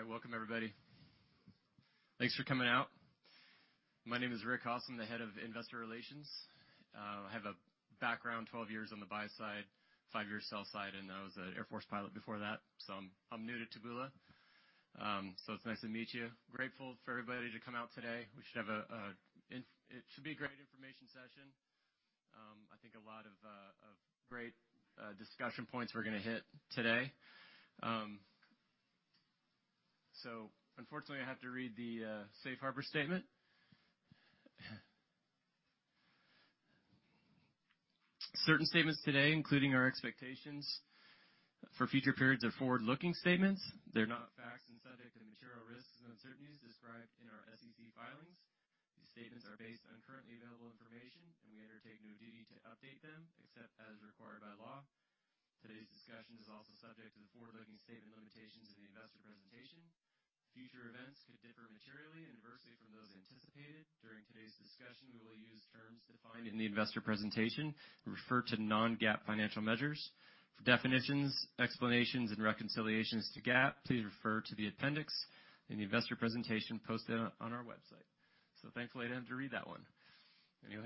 All right. Welcome, everybody. Thanks for coming out. My name is Rick Haas. I'm the Head of Investor Relations. I have a background 12 years on the buy side, five years sell side, and I was an Air Force pilot before that, so I'm new to Taboola. It's nice to meet you. Grateful for everybody to come out today. We should have a great information session. I think a lot of great discussion points we're gonna hit today. Unfortunately, I have to read the safe harbor statement. Certain statements today, including our expectations for future periods are forward-looking statements. They're not facts and subject to material risks and uncertainties described in our SEC filings. These statements are based on currently available information. We undertake no duty to update them except as required by law. Today's discussion is also subject to the forward-looking statement limitations in the investor presentation. Future events could differ materially and adversely from those anticipated. During today's discussion, we will use terms defined in the investor presentation. We refer to non-GAAP financial measures. For definitions, explanations, and reconciliations to GAAP, please refer to the appendix in the investor presentation posted on our website. Thankfully, I didn't have to read that one. Anyway,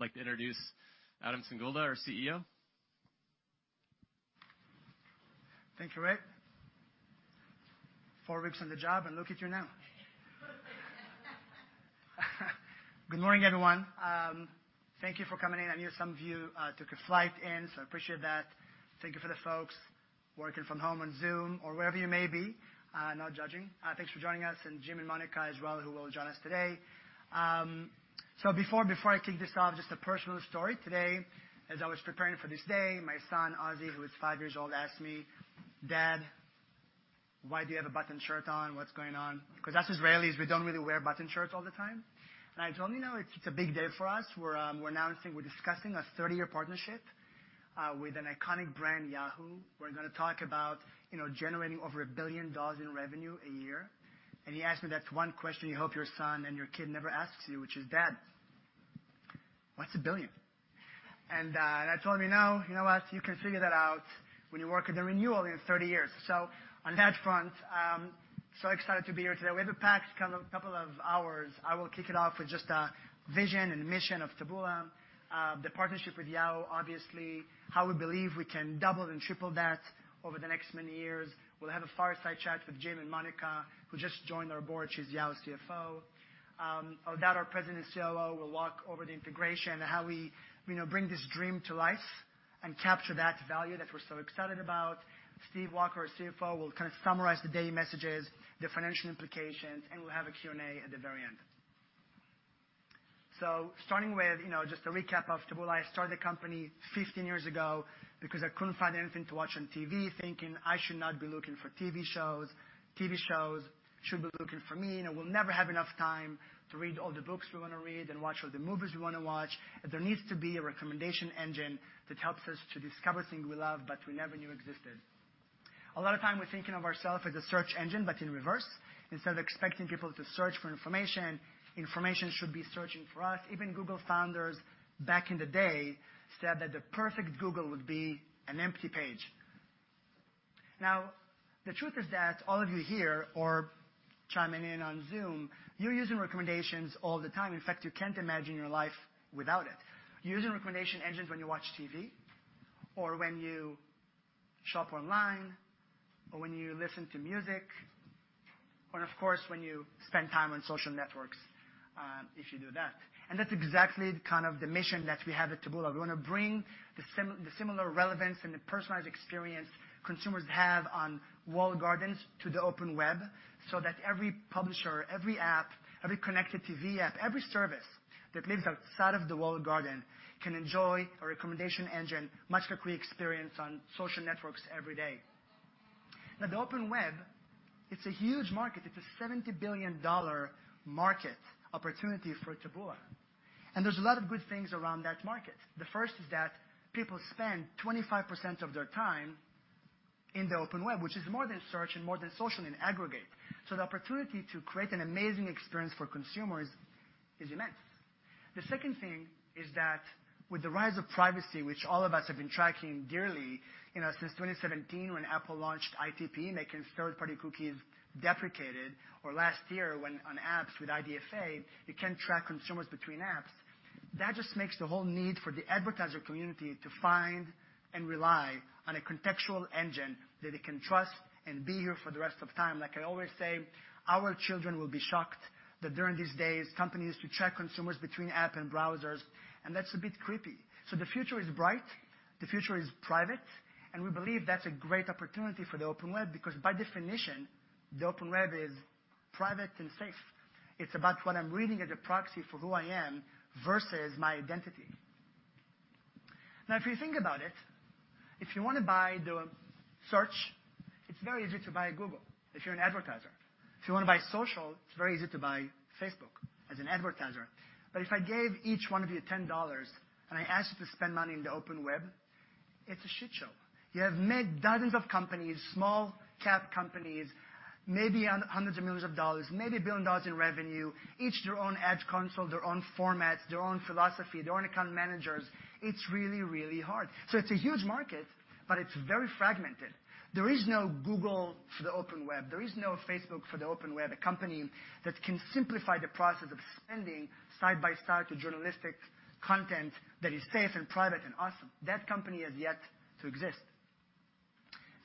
like to introduce Adam Singolda, our CEO. Thank you, Rick. four weeks on the job, and look at you now. Good morning, everyone. Thank you for coming in. I know some of you took a flight in, so I appreciate that. Thank you for the folks working from home on Zoom or wherever you may be, not judging. Thanks for joining us and Jim and Monica as well who will join us today. Before I kick this off, just a personal story. Today, as I was preparing for this day, my son, Ozzie, who is 5 years old, asked me, "Dad, why do you have a button shirt on? What's going on?" 'Cause us Israelis, we don't really wear button shirts all the time. I told him, "You know, it's a big day for us. We're now discussing a 30-year partnership with an iconic brand, Yahoo. We're gonna talk about, you know, generating over $1 billion in revenue a year." He asked me that one question you hope your son and your kid never asks you, which is, "Dad, what's a billion?" I told him, "You know, you know what? You can figure that out when you work at the renewal in 30 years." On that front, so excited to be here today. We have a packed couple of hours. I will kick it off with just a vision and mission of Taboola. The partnership with Yahoo! obviously, how we believe we can double and triple that over the next many years. We'll have a fireside chat with Jim and Monica, who just joined our board. She's Yahoo's CFO. Eldad, our President and COO, will walk over the integration and how we, you know, bring this dream to life and capture that value that we're so excited about. Steve Walker, our CFO, will kind of summarize the daily messages, the financial implications, and we'll have a Q&A at the very end. Starting with, you know, just a recap of Taboola. I started the company 15 years ago because I couldn't find anything to watch on TV, thinking I should not be looking for TV shows. TV shows should be looking for me. You know, we'll never have enough time to read all the books we wanna read and watch all the movies we wanna watch. There needs to be a recommendation engine that helps us to discover things we love but we never knew existed. A lot of time we're thinking of ourself as a search engine, but in reverse. Instead of expecting people to search for information should be searching for us. Even Google founders back in the day said that the perfect Google would be an empty page. The truth is that all of you here or chiming in on Zoom, you're using recommendations all the time. In fact, you can't imagine your life without it. You're using recommendation engines when you watch TV or when you shop online or when you listen to music or, of course, when you spend time on social networks, if you do that. That's exactly kind of the mission that we have at Taboola. We wanna bring the similar relevance and the personalized experience consumers have on walled gardens to the open web so that every publisher, every app, every connected TV app, every service that lives outside of the walled garden can enjoy a recommendation engine, much like we experience on social networks every day. The open web, it's a huge market. It's a $70 billion market opportunity for Taboola. There's a lot of good things around that market. The first is that people spend 25% of their time in the open web, which is more than search and more than social in aggregate. The opportunity to create an amazing experience for consumers is immense. The second thing is that with the rise of privacy, which all of us have been tracking dearly, you know, since 2017, when Apple launched ITP, making third-party cookies deprecated, or last year when on apps with IDFA, you can't track consumers between apps. That just makes the whole need for the advertiser community to find and rely on a contextual engine that they can trust and be here for the rest of time. Like I always say, our children will be shocked that during these days, companies used to track consumers between app and browsers, and that's a bit creepy. The future is bright, the future is private, and we believe that's a great opportunity for the open web because by definition, the open web is private and safe. It's about what I'm reading as a proxy for who I am versus my identity. Now, if you think about it, if you wanna buy the search, it's very easy to buy Google if you're an advertiser. If you wanna buy social, it's very easy to buy Facebook as an advertiser. If I gave each one of you $10 and I asked you to spend money in the open web, it's a shit show. You have met dozens of companies, small cap companies-Maybe on hundreds of millions of dollars, maybe $1 billion in revenue, each their own ad console, their own formats, their own philosophy, their own account managers. It's really, really hard. It's a huge market, but it's very fragmented. There is no Google for the open web. There is no Facebook for the open web, a company that can simplify the process of spending side by side to journalistic content that is safe and private and awesome. That company is yet to exist.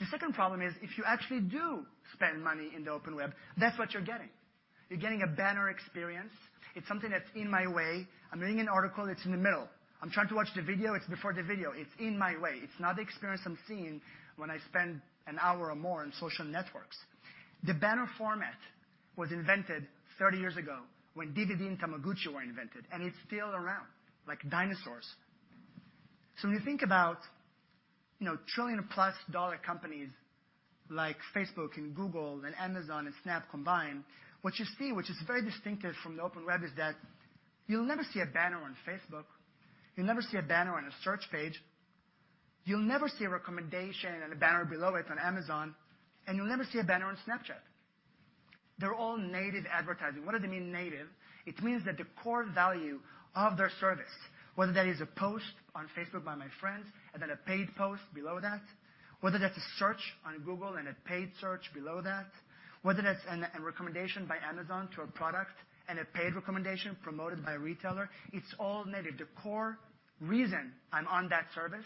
The second problem is if you actually do spend money in the open web, that's what you're getting. You're getting a banner experience. It's something that's in my way. I'm reading an article, it's in the middle. I'm trying to watch the video, it's before the video. It's in my way. It's not the experience I'm seeing when I spend an hour or more on social networks. The banner format was invented 30 years ago when Digimon and Tamagotchi were invented. It's still around like dinosaurs. When you think about, you know, trillion-plus dollar companies like Facebook and Google and Amazon and Snap combined, what you see, which is very distinctive from the open web, is that you'll never see a banner on Facebook. You'll never see a banner on a search page. You'll never see a recommendation and a banner below it on Amazon. You'll never see a banner on Snapchat. They're all native advertising. What does it mean, native? It means that the core value of their service, whether that is a post on Facebook by my friends and then a paid post below that, whether that's a search on Google and a paid search below that, whether that's a recommendation by Amazon to a product and a paid recommendation promoted by a retailer, it's all native. The core reason I'm on that service is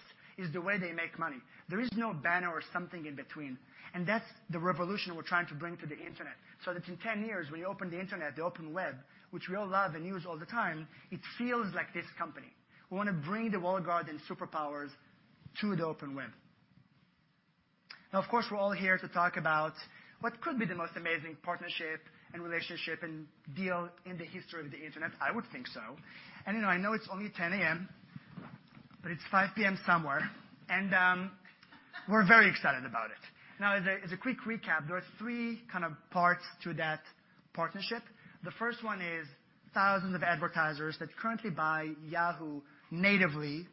the way they make money. There is no banner or something in between. That's the revolution we're trying to bring to the Internet. That in 10 years, when you open the Internet, the open web, which we all love and use all the time, it feels like this company. We wanna bring the walled garden superpowers to the open web. Of course, we're all here to talk about what could be the most amazing partnership and relationship and deal in the history of the Internet. I would think so. You know, I know it's only 10:00 A.M., but it's 5:00 P.M. somewhere, we're very excited about it. As a quick recap, there are three kind of parts to that partnership. The first one is thousands of advertisers that currently buy Yahoo natively,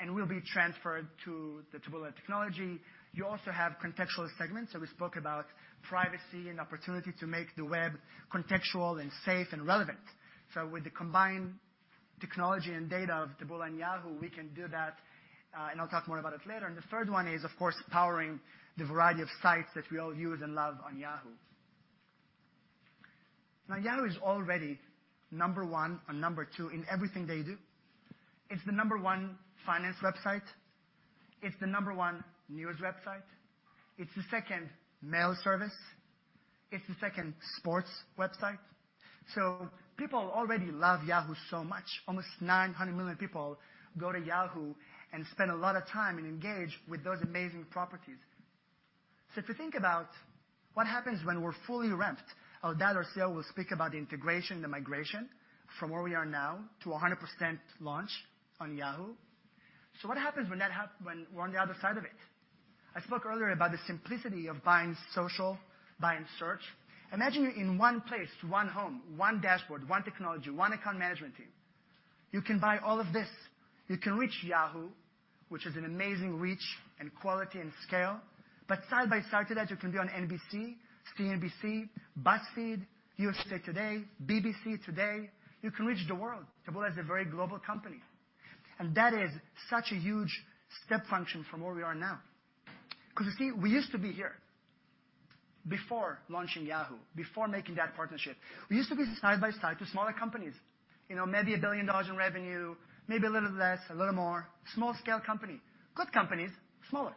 and will be transferred to the Taboola technology. You also have contextual segments. We spoke about privacy and opportunity to make the web contextual and safe and relevant. With the combined technology and data of Taboola and Yahoo, we can do that, and I'll talk more about it later on. The third one is, of course, powering the variety of sites that we all use and love on Yahoo. Yahoo is already number one and number two in everything they do. It's the number one finance website. It's the number one news website. It's the second mail service. It's the second sports website. People already love Yahoo so much. Almost 900 million people go to Yahoo and spend a lot of time and engage with those amazing properties. If you think about what happens when we're fully ramped, Eldad our CEO will speak about the integration, the migration from where we are now to 100% launch on Yahoo. What happens when we're on the other side of it? I spoke earlier about the simplicity of buying social, buying search. Imagine you're in one place, one home, one dashboard, one technology, one account management team. You can buy all of this. You can reach Yahoo, which is an amazing reach and quality and scale. Side by side to that, you can be on NBC, CNBC, BuzzFeed, USA TODAY, BBC Today. You can reach the world. Taboola is a very global company. That is such a huge step function from where we are now. You see, we used to be here before launching Yahoo, before making that partnership. We used to be side by side to smaller companies, you know, maybe $1 billion in revenue, maybe a little less, a little more. Small scale company. Good companies, smaller.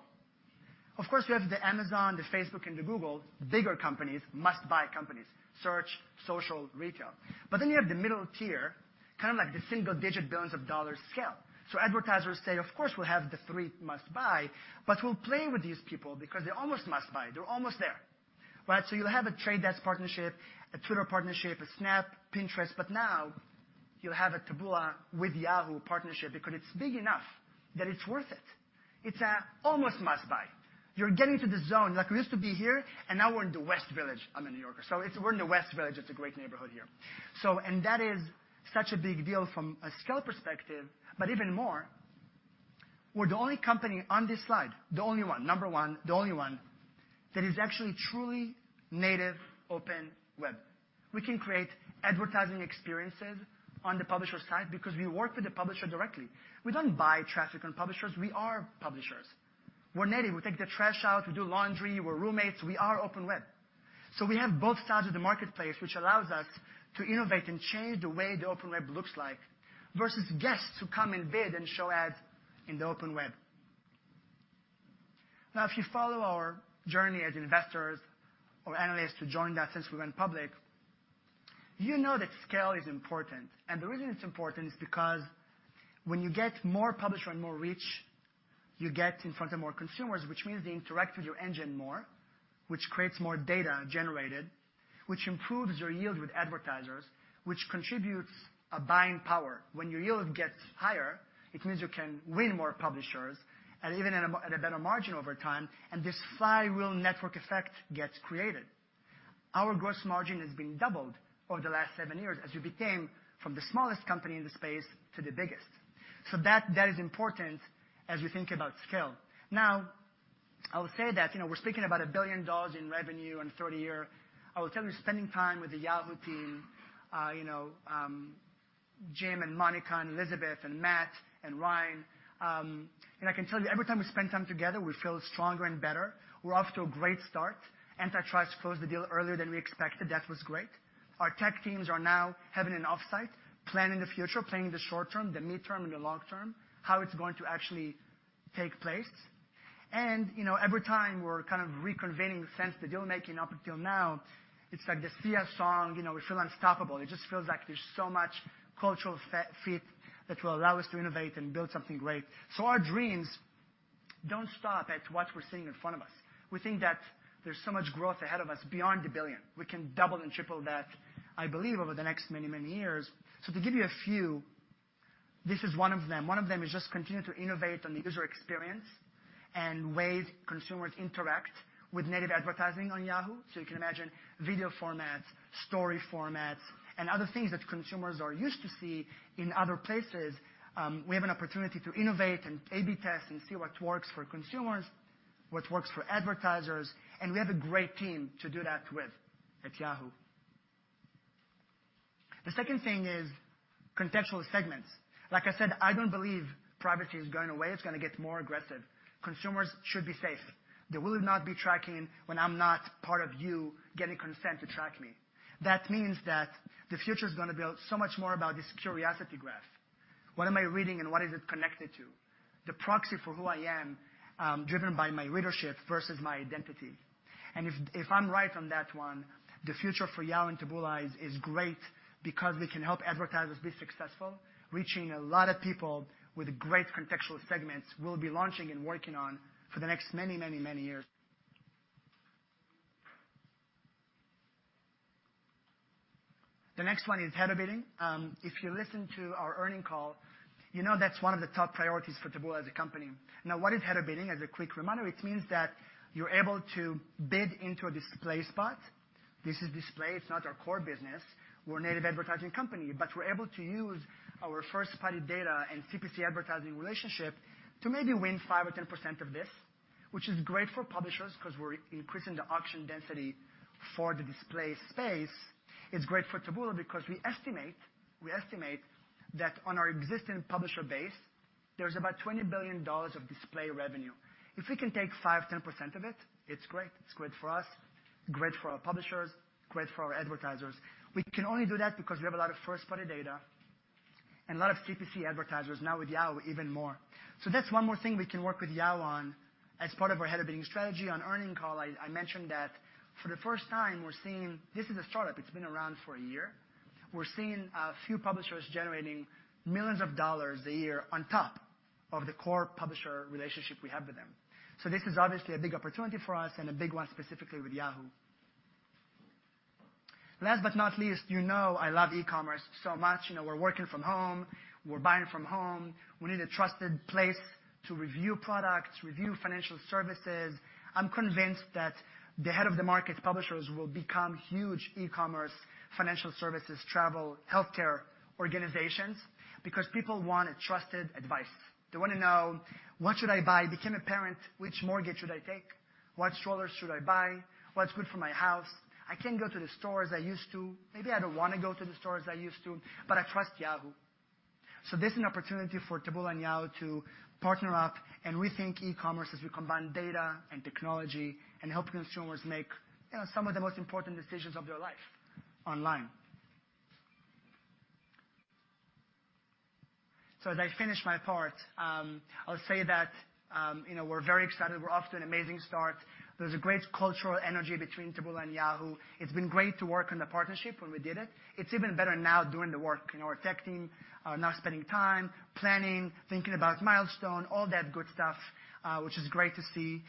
Of course, you have the Amazon, the Facebook, and the Google, bigger companies, must-buy companies: search, social, retail. You have the middle tier, kind of like the single-digit billions of dollars scale. Advertisers say, "Of course, we'll have the three must buy, but we'll play with these people because they're almost must buy. They're almost there." Right? You'll have a Trade Desk partnership, a Twitter partnership, a Snap, Pinterest, but now you'll have a Taboola with Yahoo partnership because it's big enough that it's worth it. It's a almost must buy. You're getting to the zone like we used to be here, and now we're in the West Village. I'm a New Yorker. We're in the West Village. It's a great neighborhood here. That is such a big deal from a scale perspective, but even more, we're the only company on this slide, the only one, number one, the only one that is actually truly native open web. We can create advertising experiences on the publisher side because we work with the publisher directly. We don't buy traffic on publishers; we are publishers. We're native. We take the trash out. We do laundry. We're roommates. We are open web. We have both sides of the marketplace, which allows us to innovate and change the way the open web looks like versus guests who come and bid and show ads in the open web. If you follow our journey as investors or analysts who joined us since we went public, you know that scale is important. The reason it's important is because when you get more publisher and more reach, you get in front of more consumers, which means they interact with your engine more, which creates more data generated, which improves your yield with advertisers, which contributes a buying power. When your yield gets higher, it means you can win more publishers and even at a better margin over time, and this flywheel network effect gets created. Our gross margin has been doubled over the last seven years as we became from the smallest company in the space to the biggest. That is important as we think about scale. I will say that, you know, we're speaking about $1 billion in revenue in 30 year. I will tell you, spending time with the Yahoo team, you know, Jim and Monica and Elizabeth and Matt and Ryan, and I can tell you every time we spend time together, we feel stronger and better. We're off to a great start. Antitrust closed the deal earlier than we expected. That was great. Our tech teams are now having an offsite planning the future, planning the short term, the midterm, and the long term, how it's going to actually take place. You know, every time we're kind of reconvening since the deal making up until now, it's like the Sia song, you know, We Feel Unstoppable. It just feels like there's so much cultural fit that will allow us to innovate and build something great. Our dreams don't stop at what we're seeing in front of us. We think that there's so much growth ahead of us beyond $1 billion. We can double and triple that, I believe, over the next many, many years. To give you a few, this is one of them. One of them is just continue to innovate on the user experience and ways consumers interact with native advertising on Yahoo. You can imagine video formats, story formats, and other things that consumers are used to see in other places. We have an opportunity to innovate and A/B test and see what works for consumers, what works for advertisers, and we have a great team to do that with at Yahoo. The second thing is contextual segments. Like I said, I don't believe privacy is going away. It's gonna get more aggressive. Consumers should be safe. They will not be tracking when I'm not part of you getting consent to track me. That means that the future's gonna be so much more about this curiosity graph. What am I reading and what is it connected to? The proxy for who I am, driven by my readership versus my identity. If I'm right on that one, the future for Yahoo and Taboola is great because we can help advertisers be successful. Reaching a lot of people with great contextual segments we'll be launching and working on for the next many years. The next one is header bidding. If you listen to our earnings call, you know that's one of the top priorities for Taboola as a company. Now, what is header bidding? As a quick reminder, it means that you're able to bid into a display spot. This is display, it's not our core business. We're a native advertising company, we're able to use our first-party data and CPC advertising relationship to maybe win 5% or 10% of this, which is great for publishers because we're increasing the auction density for the display space. It's great for Taboola because we estimate that on our existing publisher base, there's about $20 billion of display revenue. If we can take 5%, 10% of it's great. It's great for us, great for our publishers, great for our advertisers. We can only do that because we have a lot of first-party data and a lot of CPC advertisers. With Yahoo, even more. That's one more thing we can work with Yahoo on as part of our header bidding strategy. On earnings call, I mentioned that for the first time, we're seeing. This is a startup, it's been around for a year. We're seeing a few publishers generating millions of dollars a year on top of the core publisher relationship we have with them. This is obviously a big opportunity for us and a big one specifically with Yahoo. Last but not least, you know I love e-commerce so much. You know, we're working from home, we're buying from home. We need a trusted place to review products, review financial services. I'm convinced that the head-of-the-market publishers will become huge e-commerce, financial services, travel, healthcare organizations because people want a trusted advice. They wanna know, what should I buy? Became a parent, which mortgage should I take? What strollers should I buy? What's good for my house? I can't go to the stores I used to. Maybe I don't wanna go to the stores I used to. I trust Yahoo. This is an opportunity for Taboola and Yahoo to partner up and rethink e-commerce as we combine data and technology and help consumers make, you know, some of the most important decisions of their life online. As I finish my part, I'll say that, you know, we're very excited. We're off to an amazing start. There's a great cultural energy between Taboola and Yahoo. It's been great to work on the partnership when we did it. It's even better now doing the work. You know, our tech team are now spending time planning, thinking about milestone, all that good stuff, which is great to see.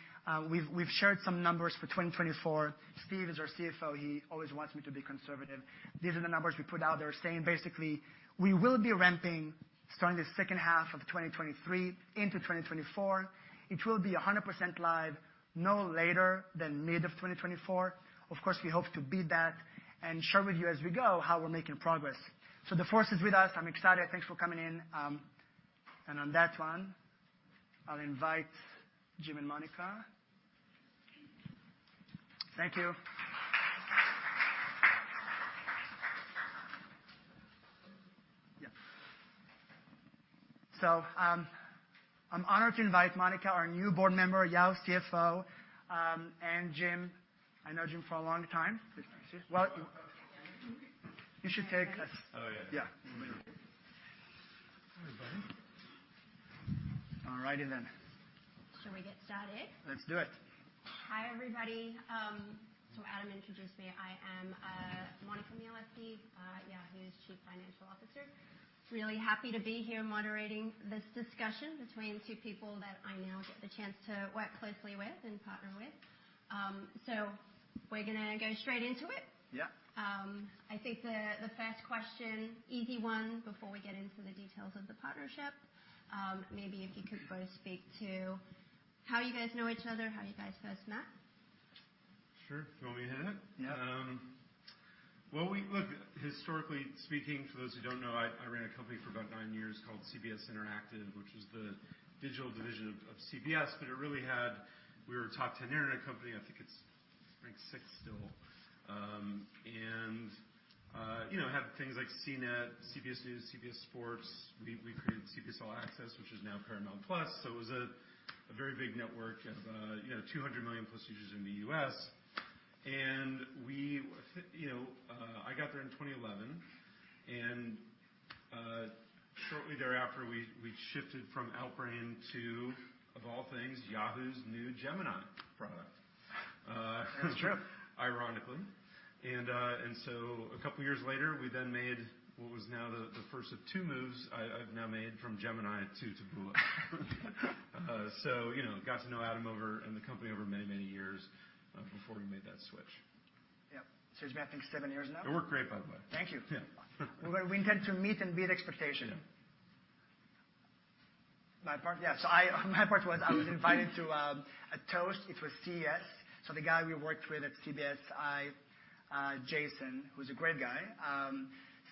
We've shared some numbers for 2024. Steve is our CFO. He always wants me to be conservative. These are the numbers we put out there saying basically, we will be ramping starting the second half of 2023 into 2024. It will be 100% live no later than mid of 2024. Of course, we hope to beat that and share with you as we go how we're making progress. The force is with us. I'm excited. Thanks for coming in. On that one, I'll invite Jim and Monica. Thank you. I'm honored to invite Monica, our new board member, Yahoo's CFO, and Jim. I know Jim for a long time. Well, you should take this. Oh, yeah. Yeah. Hi, everybody. All righty then. Shall we get started? Let's do it. Hi, everybody. Adam introduced me. I am Monica Mijaleski, Yahoo's Chief Financial Officer. Really happy to be here moderating this discussion between two people that I now get the chance to work closely with and partner with. We're gonna go straight into it. Yeah. I think the first question, easy one, before we get into the details of the partnership, maybe if you could both speak to how you guys know each other, how you guys first met? Sure. You want me to hit it? Yeah. Well, look, historically speaking, for those who don't know, I ran a company for about 9 years called CBS Interactive, which was the digital division of CBS, but it really had... We were a top 10 internet company. I think it's ranked sixth still. You know, had things like CNET, CBS News, CBS Sports. We, we created CBS All Access, which is now Paramount+. It was a very big network of, you know, 200 million-plus users in the U.S. You know, I got there in 2011, and shortly thereafter, we shifted from Outbrain to, of all things, Yahoo's new Gemini product. That's true. Ironically. A couple of years later, we then made what was now the first of 2 moves I've now made from Gemini to Taboola. You know, got to know Adam over, and the company over many, many years, before we made that switch. Yep. It's mapping seven years now. It worked great, by the way. Thank you. Yeah. We intend to meet and beat expectation. Yeah. My part? Yeah. My part was I was invited to a toast. It was CES. The guy we worked with at CBSi, Jason, who's a great guy,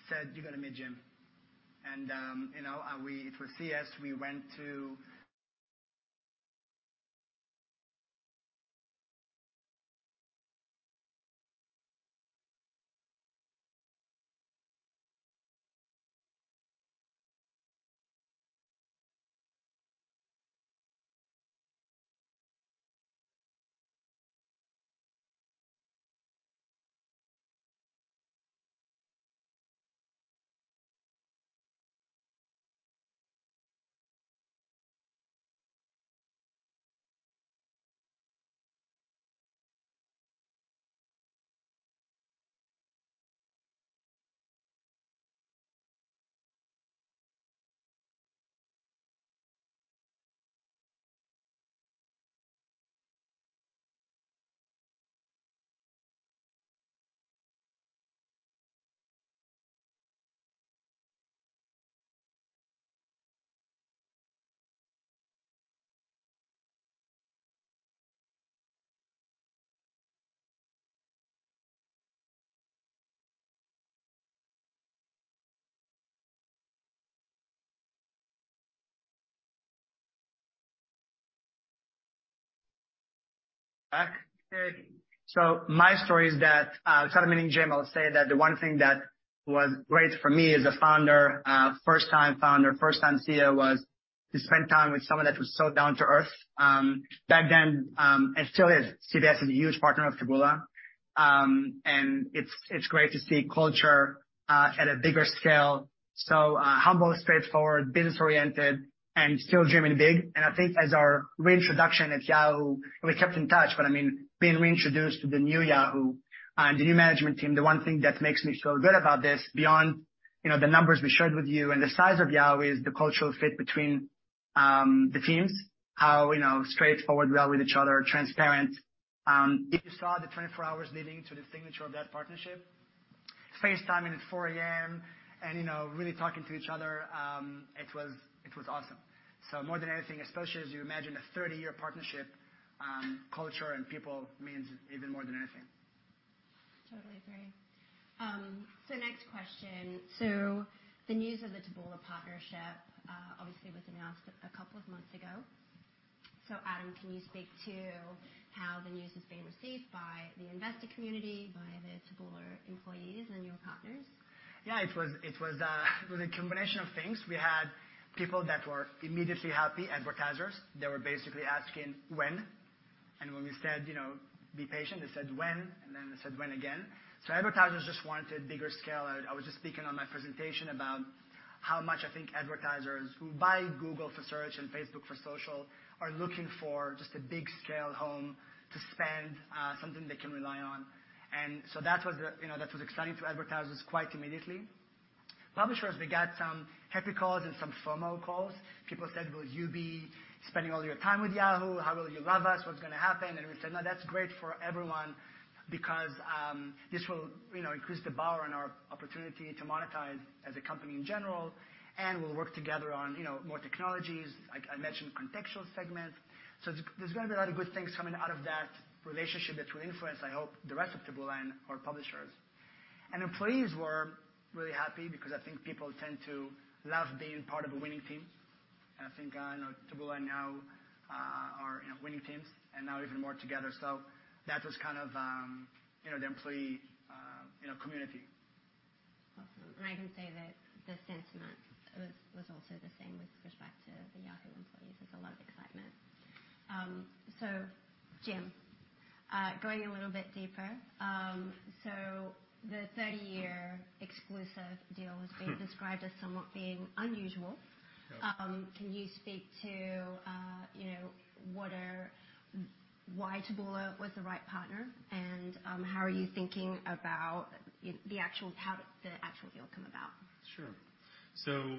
said, "You're gonna meet Jim." You know, it was CES. We went to ... Back. My story is that sort of meeting Jim, I'll say that the one thing that was great for me as a founder, first time founder, first time CEO, was to spend time with someone that was so down to earth. Back then, and still is, CBS is a huge partner of Taboola. It's great to see culture at a bigger scale. Humble, straightforward, business-oriented and still dreaming big. I think as our reintroduction at Yahoo, and we kept in touch, but I mean, being reintroduced to the new Yahoo and the new management team, the one thing that makes me feel good about this beyond, you know, the numbers we shared with you and the size of Yahoo is the cultural fit between the teams. How, you know, straightforward we are with each other, transparent. If you saw the 24 hours leading to the signature of that partnership, FaceTiming at 4 A.M. and, you know, really talking to each other, it was awesome. More than anything, especially as you imagine a 30-year partnership, culture and people means even more than anything. Totally agree. Next question. The news of the Taboola partnership, obviously was announced a couple of months ago. Adam, can you speak to how the news is being received by the investor community, by the Taboola employees and the new partners? Yeah, it was, it was, it was a combination of things. We had people that were immediately happy, advertisers that were basically asking when. When we said, you know, "Be patient," they said, "When?" They said, "When" again. Advertisers just wanted bigger scale. I was just speaking on my presentation about how much I think advertisers who buy Google for search and Facebook for social are looking for just a big scale home to spend, something they can rely on. That was the, you know, that was exciting to advertisers quite immediately. Publishers, we got some happy calls and some FOMO calls. People said, "Will you be spending all of your time with Yahoo? How will you love us? What's gonna happen?" We said, "No, that's great for everyone because this will, you know, increase the power and our opportunity to monetize as a company in general, and we'll work together on, you know, more technologies." Like I mentioned, contextual segment. There's gonna be a lot of good things coming out of that relationship that will influence, I hope, the rest of Taboola and our publishers. Employees were really happy because I think people tend to love being part of a winning team. I think, you know, Taboola now, are, you know, winning teams and now even more together. That was kind of, you know, the employee, you know, community. Awesome. I can say that the sentiment was also the same with respect to the Yahoo employees. There's a lot of excitement. Jim, going a little bit deeper. The 30-year exclusive deal has been described as somewhat being unusual. Yes. Can you speak to, you know, why Taboola was the right partner? How are you thinking about how the actual deal come about? Sure.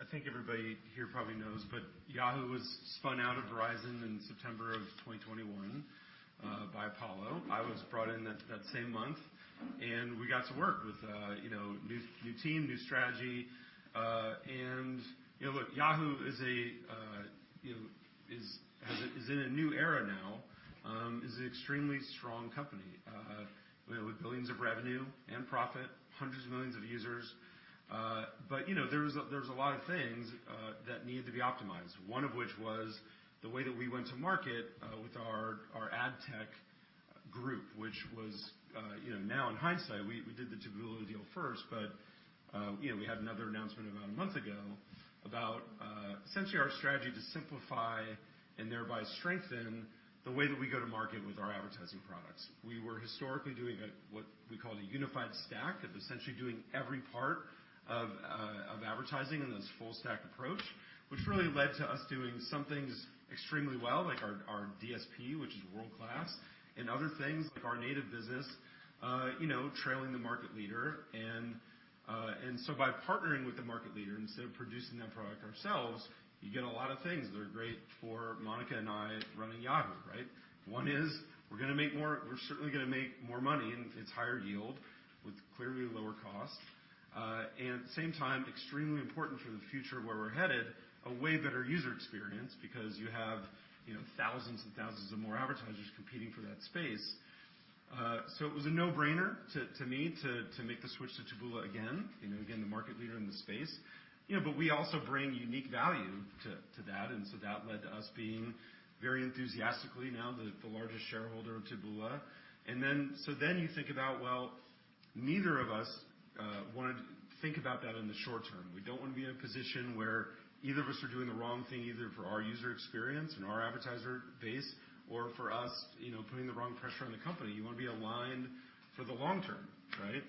I think everybody here probably knows, Yahoo was spun out of Verizon in September of 2021 by Apollo. I was brought in that same month, and we got to work with, you know, new team, new strategy. You know, look, Yahoo is, you know, has a new era now, is an extremely strong company, you know, with billions of revenue and profit, hundreds of millions of users. You know, there's a lot of things that needed to be optimized. One of which was the way that we went to market with our ad tech group, which was, you know, now in hindsight, we did the Taboola deal first. You know, we had another announcement about a month ago about essentially our strategy to simplify and thereby strengthen the way that we go to market with our advertising products. We were historically doing a, what we called a unified stack of essentially doing every part of advertising in this full stack approach, which really led to us doing some things extremely well, like our DSP, which is world-class, and other things like our native business, you know, trailing the market leader. By partnering with the market leader, instead of producing that product ourselves, you get a lot of things that are great for Monica and I running Yahoo, right? One is we're certainly gonna make more money, and it's higher yield with clearly lower cost. At the same time, extremely important for the future where we're headed, a way better user experience because you have, you know, thousands and thousands of more advertisers competing for that space. It was a no-brainer to me to make the switch to Taboola, you know, again, the market leader in the space. You know, we also bring unique value to that. That led to us being very enthusiastically now the largest shareholder of Taboola. You think about, well, neither of us wanted to think about that in the short term. We don't wanna be in a position where either of us are doing the wrong thing, either for our user experience and our advertiser base or for us, you know, putting the wrong pressure on the company. You wanna be aligned for the long term, right?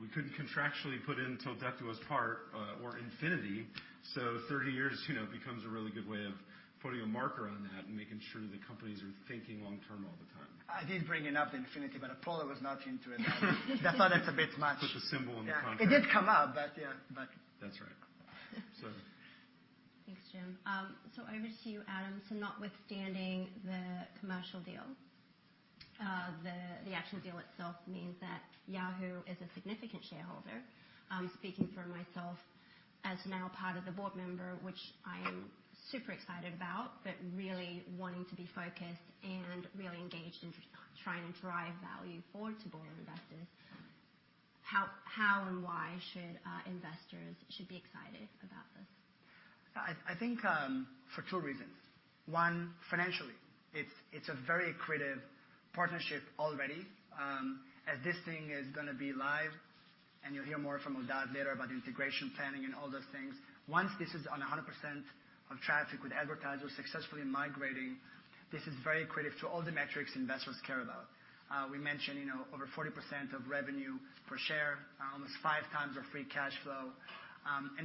We couldn't contractually put in till death do us part, or infinity. 30 years, you know, becomes a really good way of putting a marker on that and making sure the companies are thinking long term all the time. I did bring it up the infinity, but Apollo was not into it. I thought it's a bit much. Put the symbol in the contract. It did come up, but, yeah, but. That's right. Thanks, Jim. Over to you, Adam. Notwithstanding the commercial deal, the action deal itself means that Yahoo is a significant shareholder. Speaking for myself as now part of the board member, which I am super excited about, but really wanting to be focused and really engaged in trying to drive value for Taboola investors. How and why should investors should be excited about this? I think for two reasons. One, financially. It's a very accretive partnership already. As this thing is gonna be live, and you'll hear more from Eldad later about integration planning and all those things. Once this is on 100% on traffic with advertisers successfully migrating, this is very accretive to all the metrics investors care about. We mentioned, you know, over 40% of revenue per share, almost 5x of free cash flow.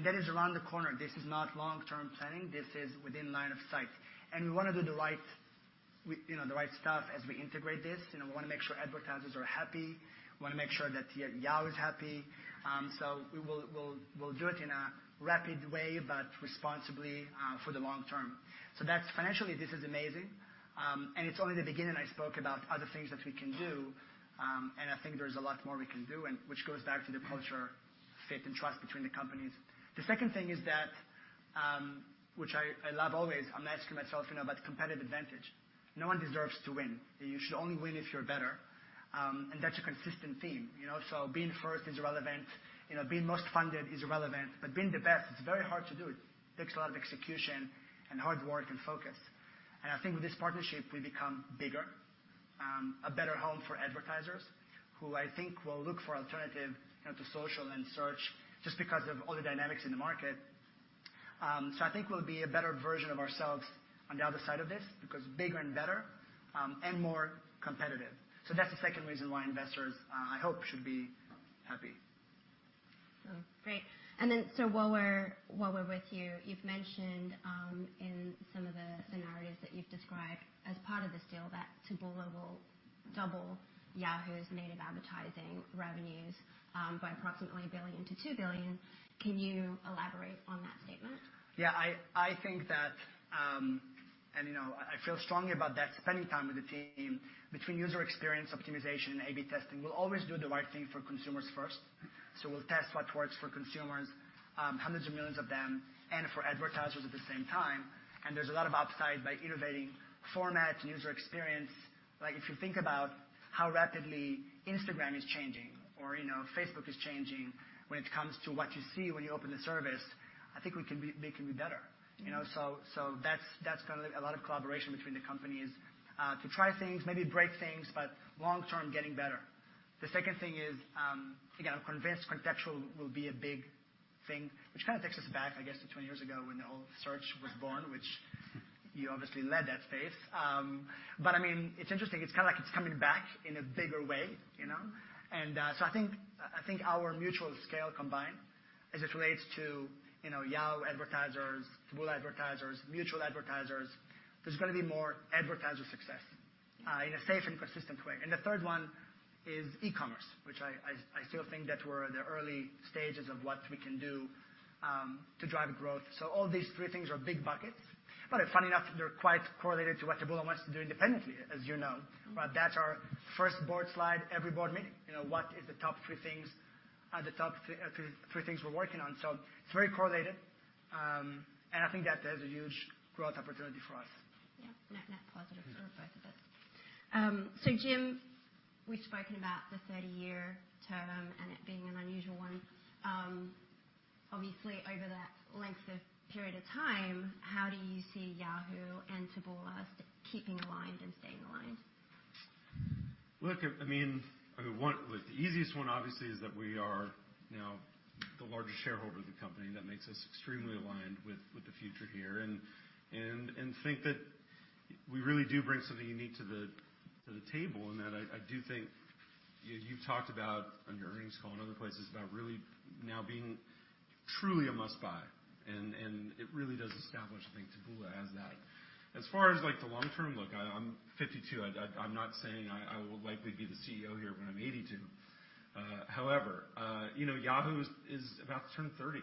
That is around the corner. This is not long-term planning. This is within line of sight. We wanna do the right, you know, the right stuff as we integrate this. You know, we wanna make sure advertisers are happy. We wanna make sure that Yahoo is happy. We'll do it in a rapid way, but responsibly for the long term. That's financially, this is amazing. It's only the beginning. I spoke about other things that we can do, and I think there's a lot more we can do and which goes back to the culture, faith, and trust between the companies. The second thing is that, which I love always, I'm asking myself, you know, about competitive advantage. No one deserves to win. You should only win if you're better. That's a consistent theme. You know, being first is irrelevant. You know, being most funded is irrelevant. Being the best, it's very hard to do. It takes a lot of execution and hard work and focus. I think with this partnership, we become bigger, a better home for advertisers, who I think will look for alternative, you know, to social and search just because of all the dynamics in the market. I think we'll be a better version of ourselves on the other side of this because bigger and better, and more competitive. That's the second reason why investors, I hope should be happy. Great. While we're with you've mentioned in some of the scenarios that you've described as part of this deal that Taboola will double Yahoo's native advertising revenues by approximately $1 billion-$2 billion. Can you elaborate on that statement? Yeah, I think that, you know, I feel strongly about that, spending time with the team between user experience optimization and A/B testing, we'll always do the right thing for consumers first. We'll test what works for consumers, hundreds of millions of them, and for advertisers at the same time. There's a lot of upside by innovating format, user experience. Like, if you think about how rapidly Instagram is changing or, you know, Facebook is changing when it comes to what you see when you open the service, I think they can be better. You know, that's gonna be a lot of collaboration between the companies to try things, maybe break things, but long-term getting better. The second thing is, again, I'm convinced contextual will be a big thing, which kinda takes us back, I guess, to 20 years ago when the whole search was born, which you obviously led that space. I mean, it's kinda like it's coming back in a bigger way, you know? I think our mutual scale combined as it relates to, you know, Yahoo advertisers, Taboola advertisers, mutual advertisers, there's gonna be more advertiser success in a safe and consistent way. The third one. Is e-commerce, which I still think that we're in the early stages of what we can do to drive growth. All these three things are big buckets, funny enough, they're quite correlated to what Taboola wants to do independently, as you know. That's our first board slide every board meeting. You know, are the top 3 things we're working on. It's very correlated. I think that there's a huge growth opportunity for us. Yeah. Net, net positive for both of us. Jim, we've spoken about the 30-year term and it being an unusual one. Obviously, over that length of period of time, how do you see Yahoo and Taboola keeping aligned and staying aligned? Look, I mean, the easiest one obviously is that we are now the largest shareholder of the company. That makes us extremely aligned with the future here. Think that we really do bring something unique to the table, and that I do think you've talked about on your earnings call and other places about really now being truly a must-buy. It really does establish, I think, Taboola as that. As far as, like, the long term, look, I'm 52. I'm not saying I will likely be the CEO here when I'm 82. However, you know, Yahoo is about to turn 30.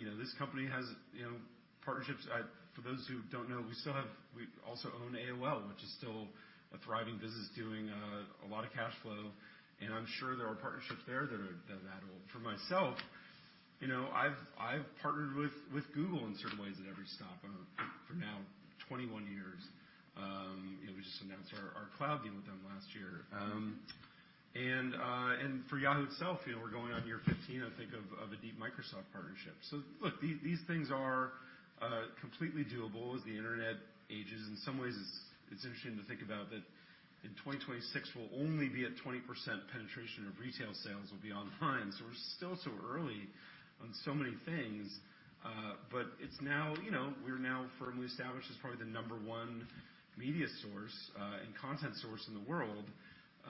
You know, this company has, you know, partnerships. For those who don't know, we also own AOL, which is still a thriving business doing a lot of cash flow, and I'm sure there are partnerships there that addle. For myself, you know, I've partnered with Google in certain ways at every stop, I don't know, for now 21 years. You know, we just announced our cloud deal with them last year. And for Yahoo itself, you know, we're going on year 15, I think, of a deep Microsoft partnership. Look, these things are completely doable as the internet ages. In some ways, it's interesting to think about that in 2026, we'll only be at 20% penetration of retail sales will be online. We're still so early on so many things, but it's now, you know, we're now firmly established as probably the number one media source, and content source in the world,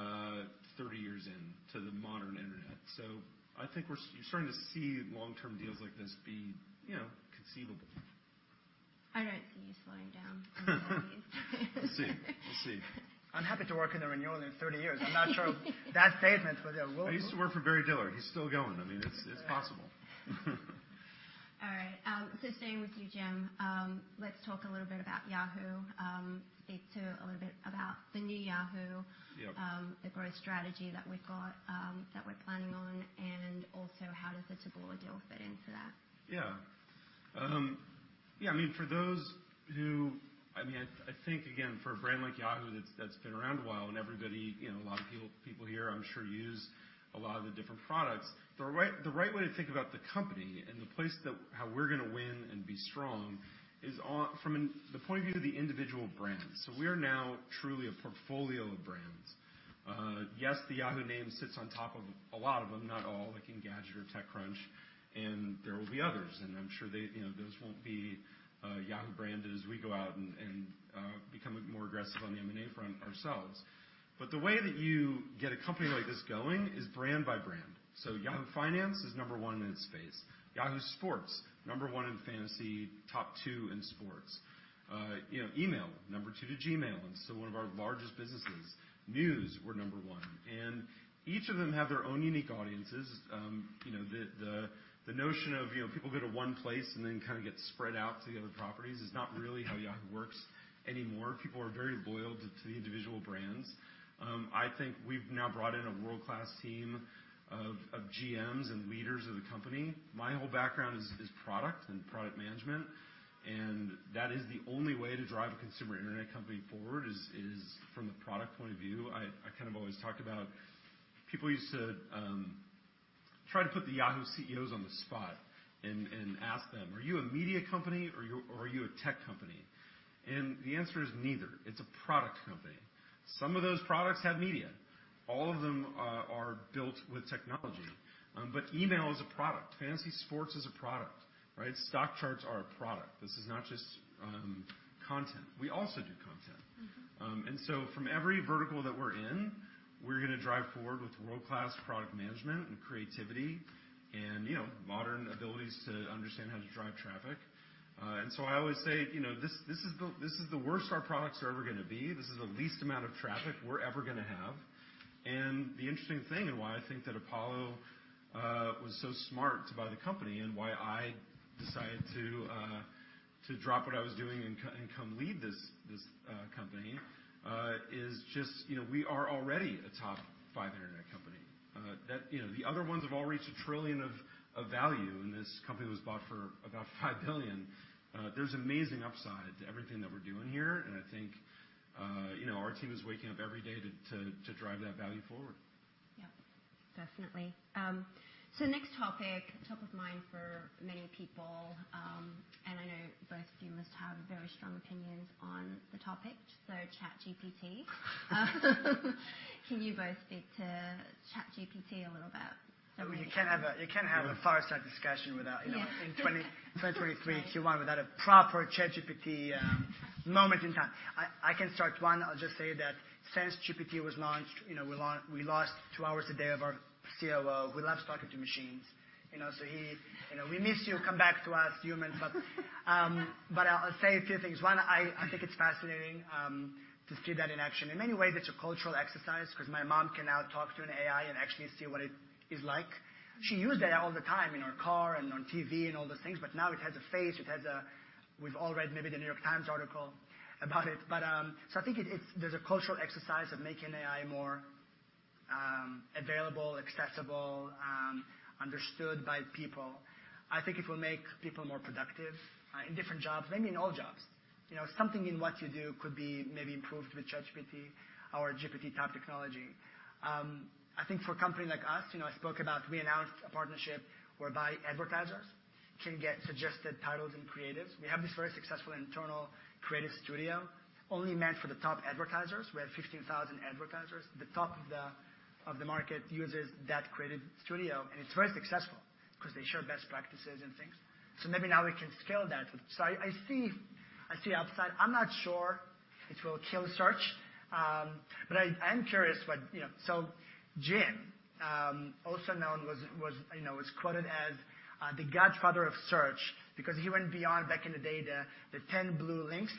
30 years in to the modern Internet. I think you're starting to see long-term deals like this be, you know, conceivable. I don't see you slowing down anytime soon. We'll see. We'll see. I'm happy to work in the renewal in 30 years. I'm not sure that statement, but. I used to work for Barry Diller. He's still going. I mean, it's possible. All right. Staying with you, Jim, let's talk a little bit about Yahoo. Speak to a little bit about the new Yahoo- Yeah. The growth strategy that we've got, that we're planning on, and also how does the Taboola deal fit into that? Yeah, I mean, I think, again, for a brand like Yahoo that's been around a while and everybody, you know, a lot of people here, I'm sure, use a lot of the different products. The right way to think about the company and how we're gonna win and be strong is the point of view of the individual brands. We are now truly a portfolio of brands. Yes, the Yahoo name sits on top of a lot of them, not all, like in Engadget or TechCrunch, and there will be others. I'm sure they, you know, those won't be Yahoo branded as we go out and become more aggressive on the M&A front ourselves. The way that you get a company like this going is brand by brand. Yahoo Finance is number one in its space. Yahoo Sports, number one in Fantasy, top two in sports. You know, email, number two to Gmail, and so one of our largest businesses. News, we're number one. Each of them have their own unique audiences. You know, the, the notion of, you know, people go to one place and then kinda get spread out to the other properties is not really how Yahoo works anymore. People are very loyal to the individual brands. I think we've now brought in a world-class team of GMs and leaders of the company. My whole background is product and product management, that is the only way to drive a consumer internet company forward is from the product point of view. I kind of always talk about people used to try to put the Yahoo CEOs on the spot and ask them, "Are you a media company or are you a tech company?" The answer is neither. It's a product company. Some of those products have media. All of them are built with technology. Email is a product. Fantasy sports is a product, right? Stock charts are a product. This is not just content. We also do content. Mm-hmm. From every vertical that we're in, we're gonna drive forward with world-class product management and creativity and, you know, modern abilities to understand how to drive traffic. I always say, you know, this is the worst our products are ever gonna be. This is the least amount of traffic we're ever gonna have. The interesting thing and why I think that Apollo was so smart to buy the company and why I decided to drop what I was doing and come lead this company, is just, you know, we are already a top five internet company. You know, the other ones have all reached $1 trillion of value, and this company was bought for about $5 billion. There's amazing upside to everything that we're doing here. I think, you know, our team is waking up every day to drive that value forward. Yeah, definitely. Next topic, top of mind for many people, and I know both of you must have very strong opinions on the topic, so ChatGPT. Can you both speak to ChatGPT a little about some of the? You can't have a fireside discussion without, you know... Yes. ...in 2023 Q1 without a proper ChatGPT moment in time. I can start. One, I'll just say that since GPT was launched, you know, we lost two hours a day of our COO, who loves talking to machines. He, you know, we miss you, come back to us humans. I'll say a few things. One, I think it's fascinating to see that in action. In many ways, it's a cultural exercise because my mom can now talk to an AI and actually see what it is like. She used AI all the time in her car on tv and all those things, now it has a face, We've all read maybe The New York Times article about it. There's a cultural exercise of making AI more available, accessible, understood by people. I think it will make people more productive in different jobs, maybe in all jobs. You know, something in what you do could be maybe improved with ChatGPT or a GPT-type technology. I think for a company like us, you know, I spoke about we announced a partnership whereby advertisers can get suggested titles and creatives. We have this very successful internal creative studio only meant for the top advertisers. We have 15,000 advertisers. The top of the market uses that creative studio, and it's very successful 'cause they share best practices and things. Maybe now we can scale that. I see upside. I'm not sure it will kill search, I am curious what, you know... Jim, also known was, you know, was quoted as the godfather of search because he went beyond back in the day the 10 blue links,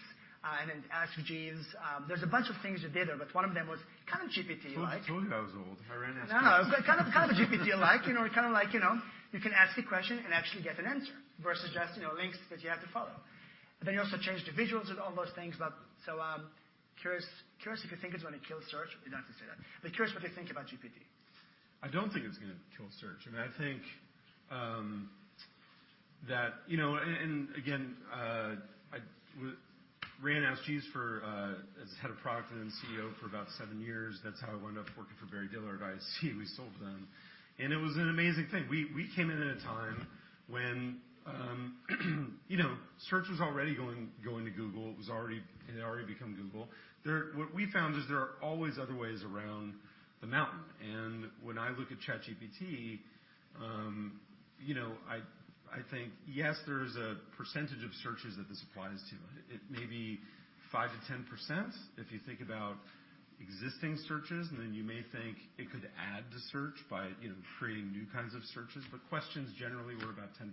and then Ask Jeeves. There's a bunch of things you did there, but one of them was kind of GPT-like. Don't tell me I was old. I ran Ask Jeeves. No, no. It was kind of GPT-like, you know. Kind of like, you know, you can ask a question and actually get an answer versus just, you know, links that you have to follow. Then you also changed the visuals and all those things. Curious if you think it's gonna kill search. You don't have to say that, but curious what you think about GPT. I don't think it's gonna kill search. I mean, I think, that, you know. Again, I ran Ask Jeeves for, as head of product and then CEO for about seven years. That's how I wound up working for Barry Diller at IAC. We sold to them. It was an amazing thing. We, we came in at a time when, you know, search was already going to Google. It had already become Google. What we found is there are always other ways around the mountain. When I look at ChatGPT, you know, I think, yes, there's a percentage of searches that this applies to. It may be 5%-10% if you think about existing searches, and then you may think it could add to search by, you know, creating new kinds of searches. Questions generally were about 10%.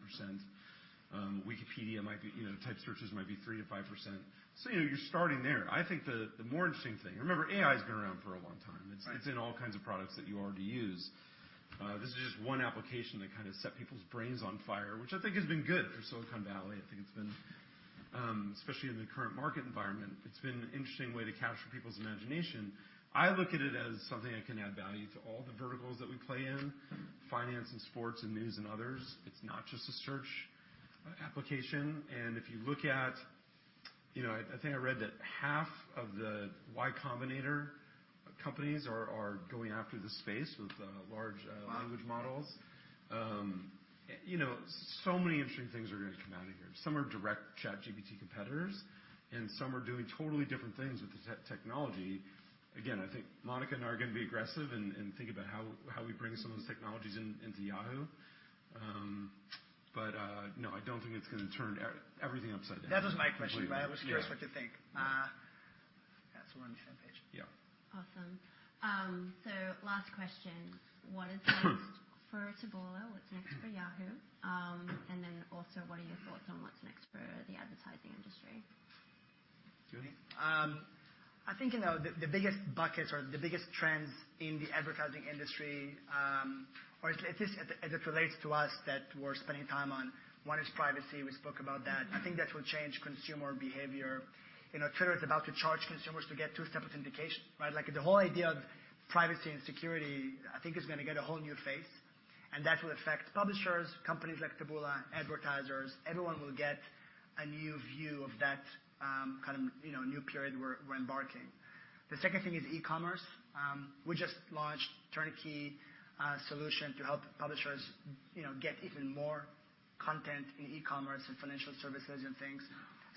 Wikipedia might be, you know, type searches might be 3%-5%. You know, you're starting there. I think the more interesting thing. Remember, AI's been around for a long time. Right. It's in all kinds of products that you already use. This is just one application that kind of set people's brains on fire, which I think has been good for Silicon Valley. I think it's been, especially in the current market environment, it's been an interesting way to capture people's imagination. I look at it as something that can add value to all the verticals that we play in, finance and sports and news and others. It's not just a search application. If you look at, you know, I think I read that half of the Y Combinator companies are going after this space with large. Wow. language models. You know, so many interesting things are gonna come out of here. Some are direct ChatGPT competitors, and some are doing totally different things with the technology. Again, I think Monica and I are gonna be aggressive and think about how we bring some of those technologies into Yahoo. No, I don't think it's gonna turn everything upside down. That was my question. Yeah. I was curious what you think. Yeah, we're on the same page. Yeah. Awesome. Last question. What is next for Taboola? What's next for Yahoo? What are your thoughts on what's next for the advertising industry? Julie? I think, you know, the biggest buckets or the biggest trends in the advertising industry, or at least as it relates to us that we're spending time on, one is privacy. We spoke about that. I think that will change consumer behavior. You know, Twitter is about to charge consumers to get two-step authentication, right? Like, the whole idea of privacy and security, I think, is gonna get a whole new phase, and that will affect publishers, companies like Taboola, advertisers. Everyone will get a new view of that, kind of, you know, new period we're embarking. The second thing is e-commerce. We just launched turnkey solution to help publishers, you know, get even more content in e-commerce and financial services and things.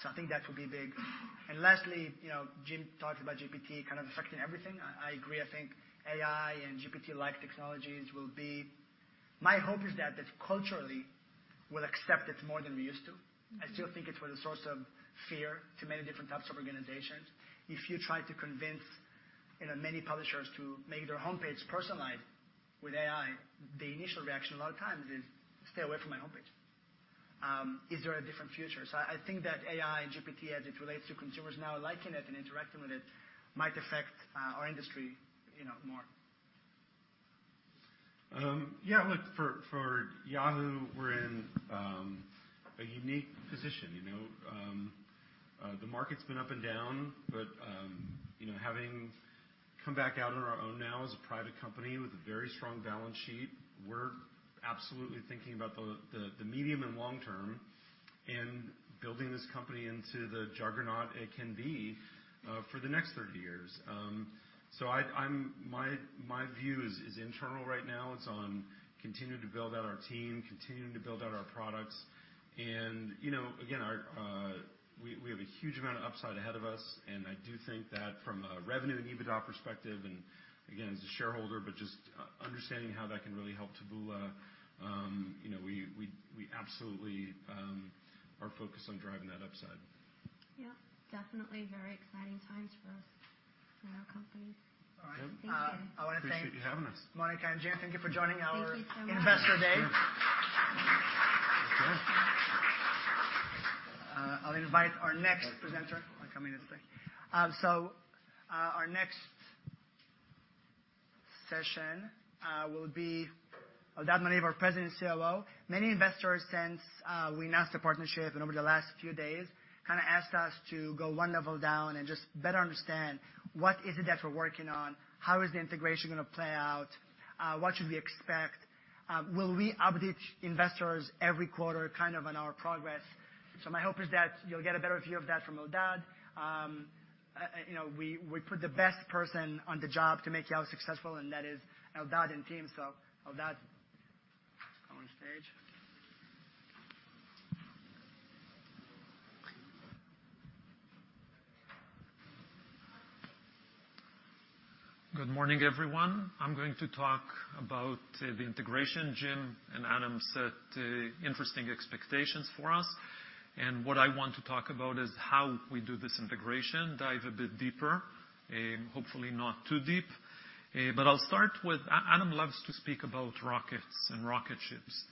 I think that will be big. Lastly, you know, Jim talked about GPT kind of affecting everything. I agree. I think AI and GPT-like technologies will be. My hope is that culturally we'll accept it more than we're used to. Mm-hmm. I still think it's been a source of fear to many different types of organizations. If you try to convince, you know, many publishers to make their homepage personalized with AI, the initial reaction a lot of times is, "Stay away from my homepage." Is there a different future? I think that AI and GPT as it relates to consumers now liking it and interacting with it might affect our industry, you know, more. Yeah, look, for Yahoo, we're in a unique position, you know. The market's been up and down but, you know, having come back out on our own now as a private company with a very strong balance sheet, we're absolutely thinking about the medium and long term and building this company into the juggernaut it can be for the next 30 years. My view is internal right now. It's on continuing to build out our team, continuing to build out our products. You know, again, our, we have a huge amount of upside ahead of us, and I do think that from a revenue and EBITDA perspective, and again as a shareholder, but just understanding how that can really help Taboola, you know, we absolutely are focused on driving that upside. Yeah. Definitely very exciting times for us and our company. All right. Thank you. Appreciate you having us. I wanna thank Monica and Jim. Thank you for joining. Thank you so much. Investor Day. Thank you. I'll invite our next presenter. Wanna come here this way. Our next session will be Eldad Maniv, President and COO. Many investors since we announced the partnership and over the last few days kinda asked us to go one level down and just better understand what is it that we're working on, how is the integration gonna play out, what should we expect, will we update investors every quarter kind of on our progress? My hope is that you'll get a better view of that from Eldad. You know, we put the best person on the job to make Yahoo successful, and that is Eldad and team. Eldad, come on stage. Good morning, everyone. I'm going to talk about the integration. Jim and Adam set interesting expectations for us. What I want to talk about is how we do this integration, dive a bit deeper, hopefully not too deep. I'll start with Adam loves to speak about rockets and rocket ships,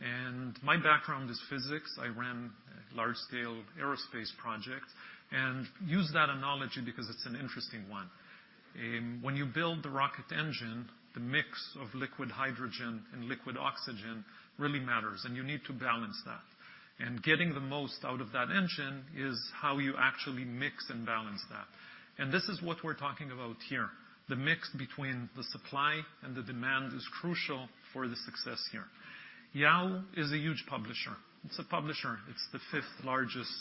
and my background is physics. I ran a large-scale aerospace project, use that analogy because it's an interesting one. When you build the rocket engine, the mix of liquid hydrogen and liquid oxygen really matters, you need to balance that. Getting the most out of that engine is how you actually mix and balance that. This is what we're talking about here. The mix between the supply and the demand is crucial for the success here. Yahoo is a huge publisher. It's a publisher. It's the fifth largest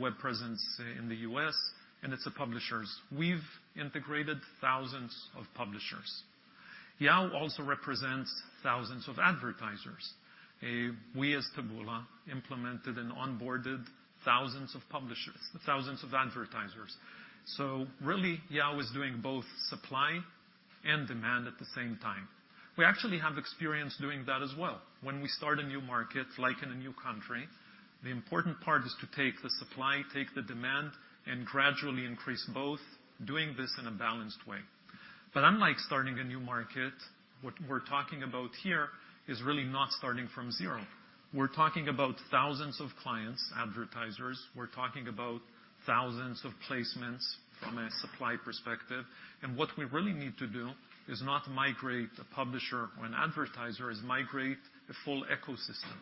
web presence in the U.S. It's a publishers. We've integrated thousands of publishers. Yahoo also represents thousands of advertisers. We, as Taboola, implemented and onboarded thousands of publishers, thousands of advertisers. Really, Yahoo is doing both supply and demand at the same time. We actually have experience doing that as well. When we start a new market, like in a new country, the important part is to take the supply, take the demand, and gradually increase both, doing this in a balanced way. Unlike starting a new market, what we're talking about here is really not starting from zero. We're talking about thousands of clients, advertisers. We're talking about thousands of placements from a supply perspective. What we really need to do is not migrate a publisher or an advertiser, is migrate a full ecosystem.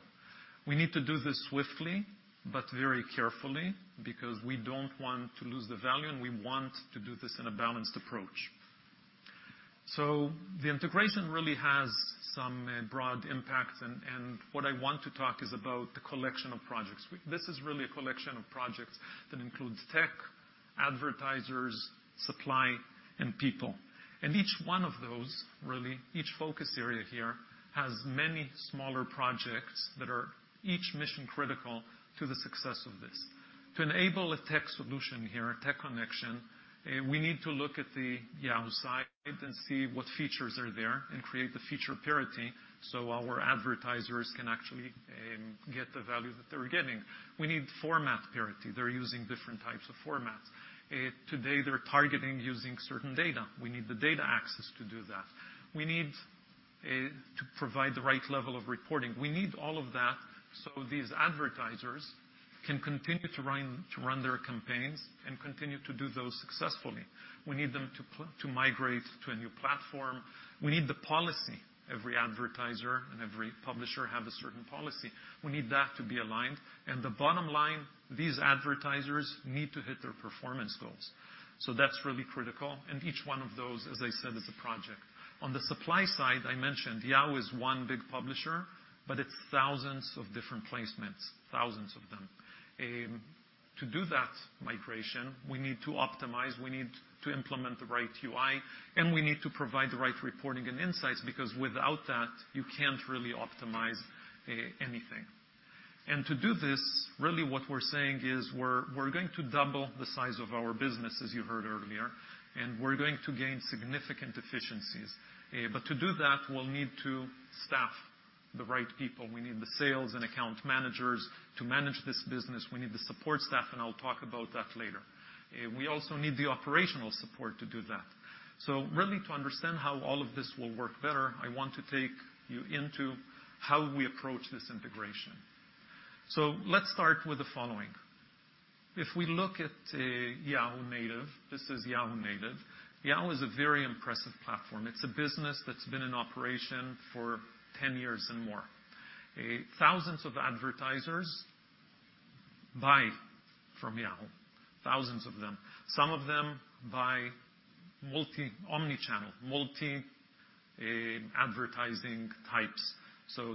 We need to do this swiftly but very carefully because we don't want to lose the value, and we want to do this in a balanced approach. The integration really has some broad impacts and what I want to talk is about the collection of projects. This is really a collection of projects that includes tech, advertisers, supply and people. And each one of those, really each focus area here, has many smaller projects that are each mission critical to the success of this. To enable a tech solution here, a tech connection, we need to look at the Yahoo side and see what features are there and create the feature parity so our advertisers can actually get the value that they were getting. We need format parity. They're using different types of formats. Today they're targeting using certain data. We need the data access to do that. We need to provide the right level of reporting. We need all of that so these advertisers can continue to run their campaigns and continue to do those successfully. We need them to migrate to a new platform. We need the policy. Every advertiser and every publisher have a certain policy. We need that to be aligned. The bottom line, these advertisers need to hit their performance goals. That's really critical, and each one of those, as I said, is a project. On the supply side, I mentioned Yahoo is one big publisher, but it's thousands of different placements, thousands of them. To do that migration, we need to optimize, we need to implement the right UI, and we need to provide the right reporting and insights because without that, you can't really optimize anything. To do this, really what we're saying is we're going to double the size of our business, as you heard earlier, and we're going to gain significant efficiencies. To do that, we'll need to staff the right people. We need the sales and account managers to manage this business. We need the support staff, and I'll talk about that later. We also need the operational support to do that. Really to understand how all of this will work better, I want to take you into how we approach this integration. Let's start with the following. If we look at Yahoo Native, this is Yahoo Native. Yahoo is a very impressive platform. It's a business that's been in operation for 10 years and more. Thousands of advertisers buy from Yahoo, thousands of them. Some of them buy omni-channel, multi, advertising types.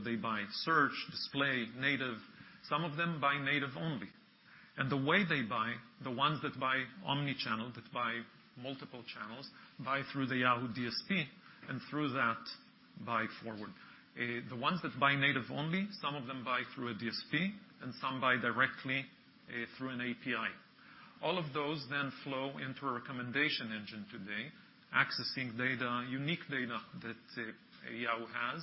They buy search, display, native. Some of them buy native only. The way they buy, the ones that buy omni-channel, that buy multiple channels, buy through the Yahoo DSP and through that buy forward. The ones that buy native only, some of them buy through a DSP and some buy directly through an API. All of those then flow into a recommendation engine today, accessing data, unique data that Yahoo has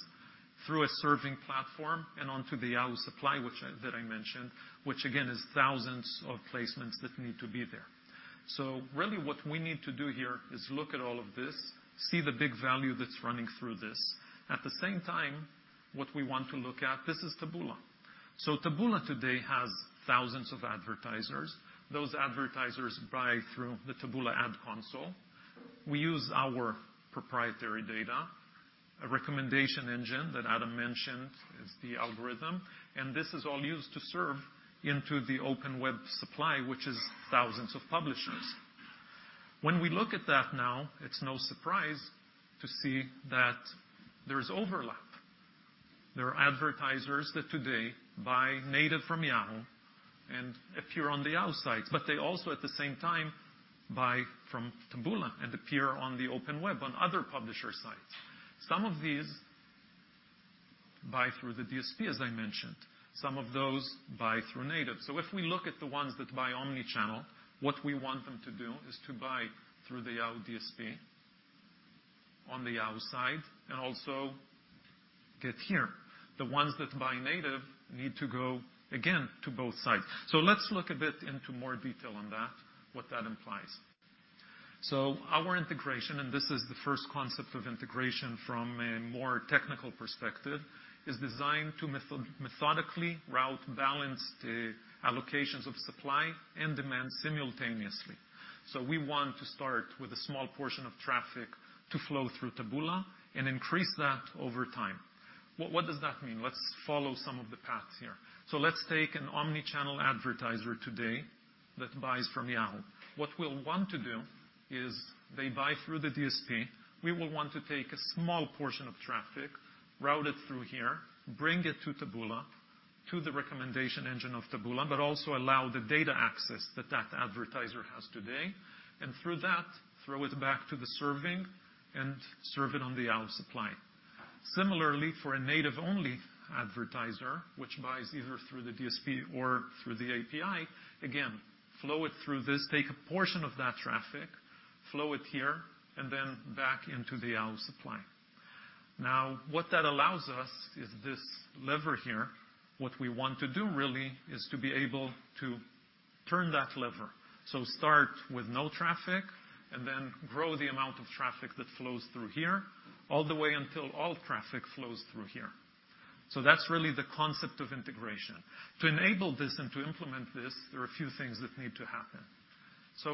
through a serving platform and onto the Yahoo supply, that I mentioned, which again, is thousands of placements that need to be there. Really what we need to do here is look at all of this, see the big value that's running through this. At the same time, what we want to look at, this is Taboola. Taboola today has thousands of advertisers. Those advertisers buy through the Taboola Ads Console. We use our proprietary data, a recommendation engine that Adam mentioned is the algorithm, and this is all used to serve into the open web supply, which is thousands of publishers. When we look at that now, it's no surprise to see that there's overlap. There are advertisers that today buy native from Yahoo and appear on the Yahoo sites, but they also, at the same time, buy from Taboola and appear on the open web on other publisher sites. Some of these buy through the DSP, as I mentioned. Some of those buy through native. If we look at the ones that buy omni-channel, what we want them to do is to buy through the Yahoo DSP on the Yahoo side and also get here. The ones that buy native need to go, again, to both sides. Let's look a bit into more detail on that, what that implies. Our integration, and this is the first concept of integration from a more technical perspective, is designed to methodically route balanced allocations of supply and demand simultaneously. We want to start with a small portion of traffic to flow through Taboola and increase that over time. What does that mean? Let's follow some of the paths here. Let's take an omni-channel advertiser today that buys from Yahoo. What we'll want to do is they buy through the DSP. We will want to take a small portion of traffic, route it through here, bring it to Taboola, to the recommendation engine of Taboola, but also allow the data access that that advertiser has today, and through that, throw it back to the serving and serve it on the Yahoo supply. Similarly, for a native-only advertiser, which buys either through the DSP or through the API, again, flow it through this, take a portion of that traffic, flow it here, and then back into the Yahoo supply. What that allows us is this lever here. What we want to do really is to be able to turn that lever. Start with no traffic and then grow the amount of traffic that flows through here all the way until all traffic flows through here. That's really the concept of integration. To enable this and to implement this, there are a few things that need to happen.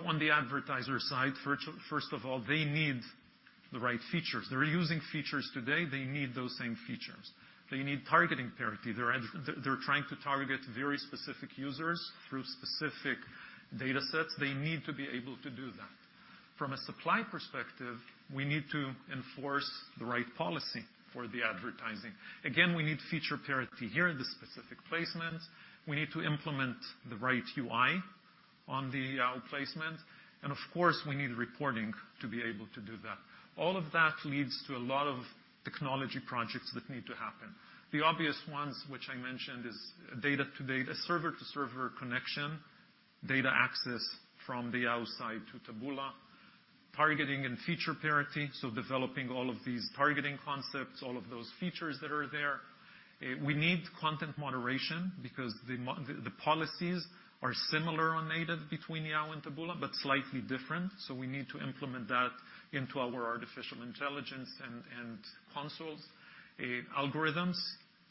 On the advertiser side, first of all, they need the right features. They're using features today, they need those same features. They need targeting parity. They're trying to target very specific users through specific datasets. They need to be able to do that. From a supply perspective, we need to enforce the right policy for the advertising. Again, we need feature parity here, the specific placements. We need to implement the right UI on the Yahoo placement, and of course, we need reporting to be able to do that. All of that leads to a lot of technology projects that need to happen. The obvious ones which I mentioned is data-to-data, server-to-server connection, data access from the Yahoo side to Taboola, targeting and feature parity, so developing all of these targeting concepts, all of those features that are there. We need content moderation because the policies are similar on native between Yahoo and Taboola, but slightly different. We need to implement that into our artificial intelligence and consoles. Algorithms.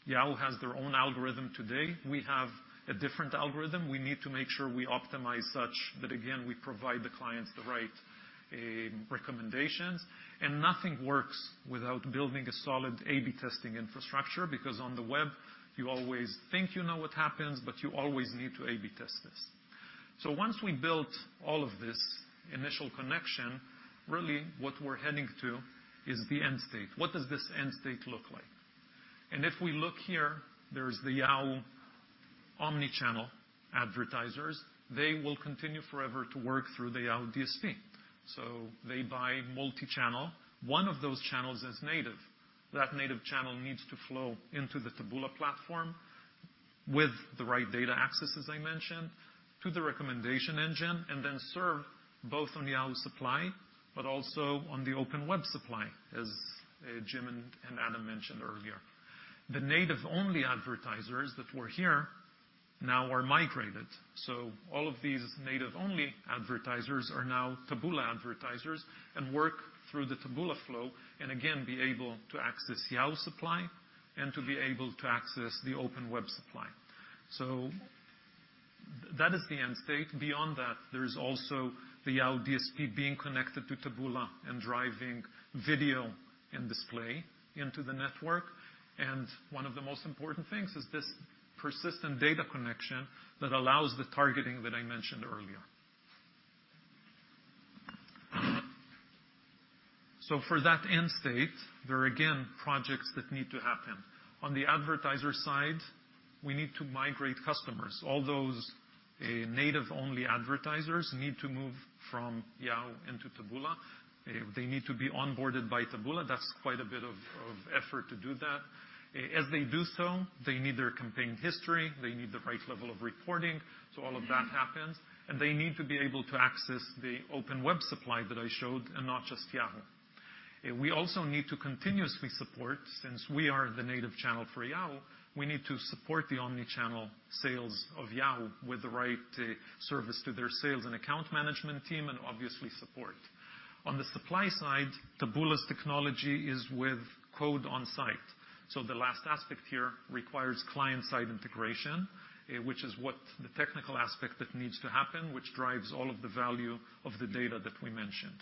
Yahoo has their own algorithm today. We have a different algorithm. We need to make sure we optimize such that, again, we provide the clients the right recommendations. Nothing works without building a solid A/B testing infrastructure, because on the web, you always think you know what happens, but you always need to A/B test this. Once we built all of this initial connection, really what we're heading to is the end state. What does this end state look like? If we look here, there's the Yahoo omni-channel advertisers. They will continue forever to work through the Yahoo DSP. They buy multi-channel. One of those channels is native. That native channel needs to flow into the Taboola platform with the right data access, as I mentioned, to the recommendation engine, and then serve both on Yahoo supply but also on the open web supply, as Jim and Adam mentioned earlier. The native-only advertisers that were here now are migrated. All of these native-only advertisers are now Taboola advertisers and work through the Taboola flow and again, be able to access Yahoo supply and to be able to access the open web supply. That is the end state. Beyond that, there is also the Yahoo DSP being connected to Taboola and driving video and display into the network. One of the most important things is this persistent data connection that allows the targeting that I mentioned earlier. For that end state, there are again projects that need to happen. On the advertiser side, we need to migrate customers. All those native-only advertisers need to move from Yahoo into Taboola. They need to be onboarded by Taboola. That's quite a bit of effort to do that. As they do so, they need their campaign history. They need the right level of reporting. All of that happens. They need to be able to access the open web supply that I showed and not just Yahoo. We also need to continuously support, since we are the native channel for Yahoo, we need to support the omni-channel sales of Yahoo with the right service to their sales and account management team, and obviously support. On the supply side, Taboola's technology is with code on site. The last aspect here requires client-side integration, which is what the technical aspect that needs to happen, which drives all of the value of the data that we mentioned.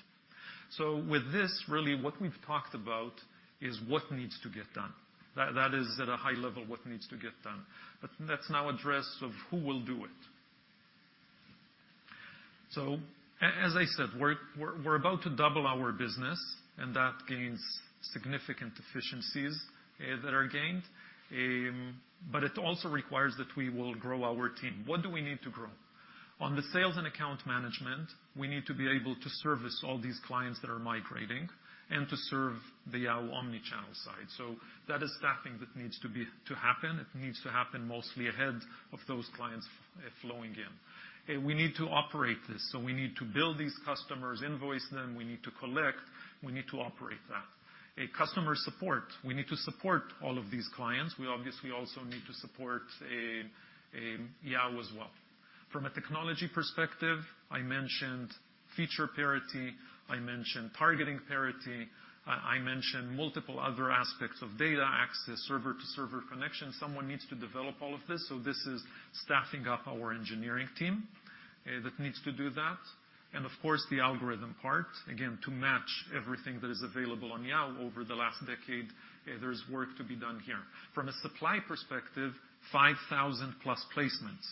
With this, really what we've talked about is what needs to get done. That is at a high level, what needs to get done. Let's now address of who will do it. As I said, we're about to double our business, that gains significant efficiencies that are gained. It also requires that we will grow our team. What do we need to grow? On the sales and account management, we need to be able to service all these clients that are migrating and to serve the Yahoo omni-channel side. That is staffing that needs to happen. It needs to happen mostly ahead of those clients flowing in. We need to operate this, we need to build these customers, invoice them, we need to collect, we need to operate that. A customer support. We need to support all of these clients. We obviously also need to support Yahoo as well. From a technology perspective, I mentioned feature parity, I mentioned targeting parity, I mentioned multiple other aspects of data access, server-to-server connection. Someone needs to develop all of this, so this is staffing up our engineering team that needs to do that. Of course, the algorithm part, again, to match everything that is available on Yahoo over the last decade, there's work to be done here. From a supply perspective, 5,000+ placements.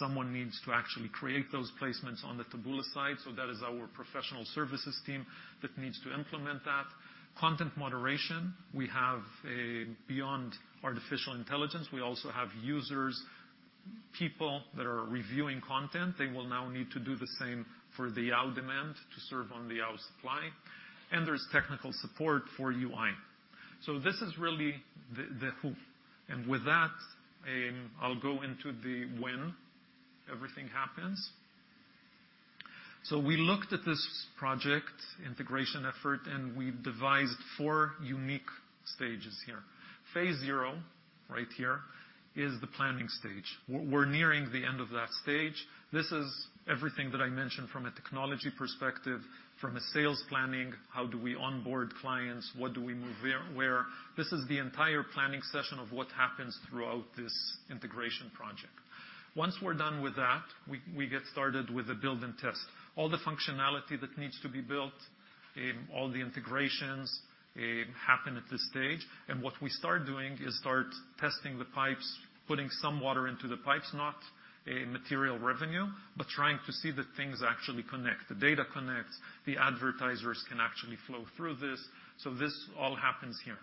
Someone needs to actually create those placements on the Taboola side, so that is our professional services team that needs to implement that. Content moderation. We have a beyond artificial intelligence, we also have users, people that are reviewing content. They will now need to do the same for the Yahoo demand to serve on the Yahoo supply. There's technical support for UI. So this is really the who. With that, I'll go into the when everything happens. We looked at this project integration effort, and we've devised four unique stages here. Phase zero, right here, is the planning stage. We're nearing the end of that stage. This is everything that I mentioned from a technology perspective, from a sales planning, how do we onboard clients, what do we move where? This is the entire planning session of what happens throughout this integration project. Once we're done with that, we get started with the build and test. All the functionality that needs to be built, all the integrations, happen at this stage. What we start doing is start testing the pipes, putting some water into the pipes, not a material revenue, but trying to see that things actually connect. The data connects, the advertisers can actually flow through this. This all happens here.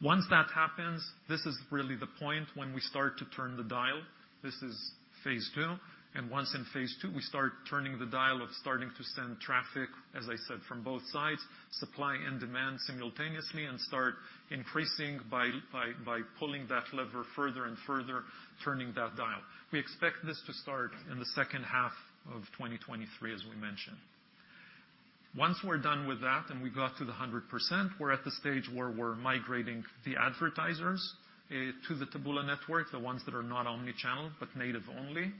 Once that happens, this is really the point when we start to turn the dial. This is phase II. Once in phase II, we start turning the dial of starting to send traffic, as I said, from both sides, supply and demand simultaneously, and start increasing by pulling that lever further and further, turning that dial. We expect this to start in the second half of 2023, as we mentioned. Once we're done with that and we got to the 100%, we're at the stage where we're migrating the advertisers to the Taboola network, the ones that are not omni-channel, but native only.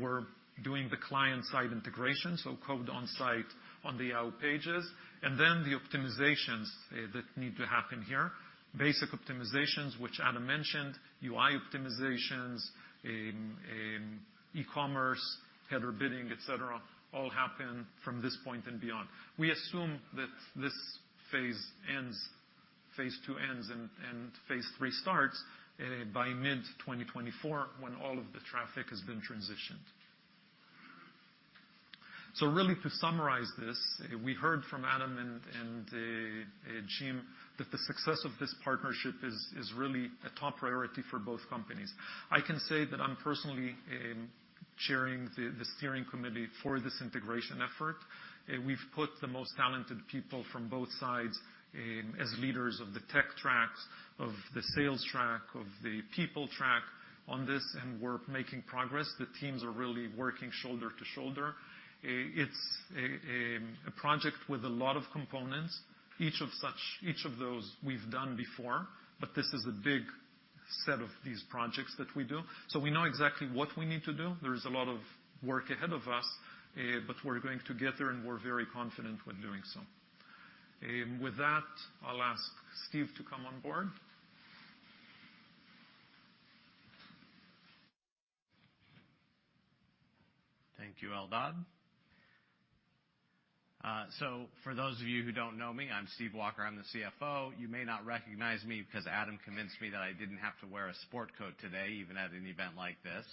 We're doing the client-side integration, so code on site on the out pages. Then the optimizations that need to happen here. Basic optimizations, which Adam mentioned, UI optimizations, e-commerce, header bidding, et cetera, all happen from this point and beyond. We assume that this phase ends, phase II ends, and phase III starts by mid-2024 when all of the traffic has been transitioned. Really to summarize this, we heard from Adam and Jim that the success of this partnership is really a top priority for both companies. I can say that I'm personally chairing the steering committee for this integration effort. We've put the most talented people from both sides as leaders of the tech tracks, of the sales track, of the people track on this, and we're making progress. The teams are really working shoulder to shoulder. It's a project with a lot of components, each of those we've done before, but this is a big set of these projects that we do. We know exactly what we need to do. There's a lot of work ahead of us, but we're going to get there, and we're very confident when doing so. With that, I'll ask Steve to come on board. Thank you, Eldad. For those of you who don't know me, I'm Steve Walker. I'm the CFO. You may not recognize me because Adam convinced me that I didn't have to wear a sport coat today, even at an event like this.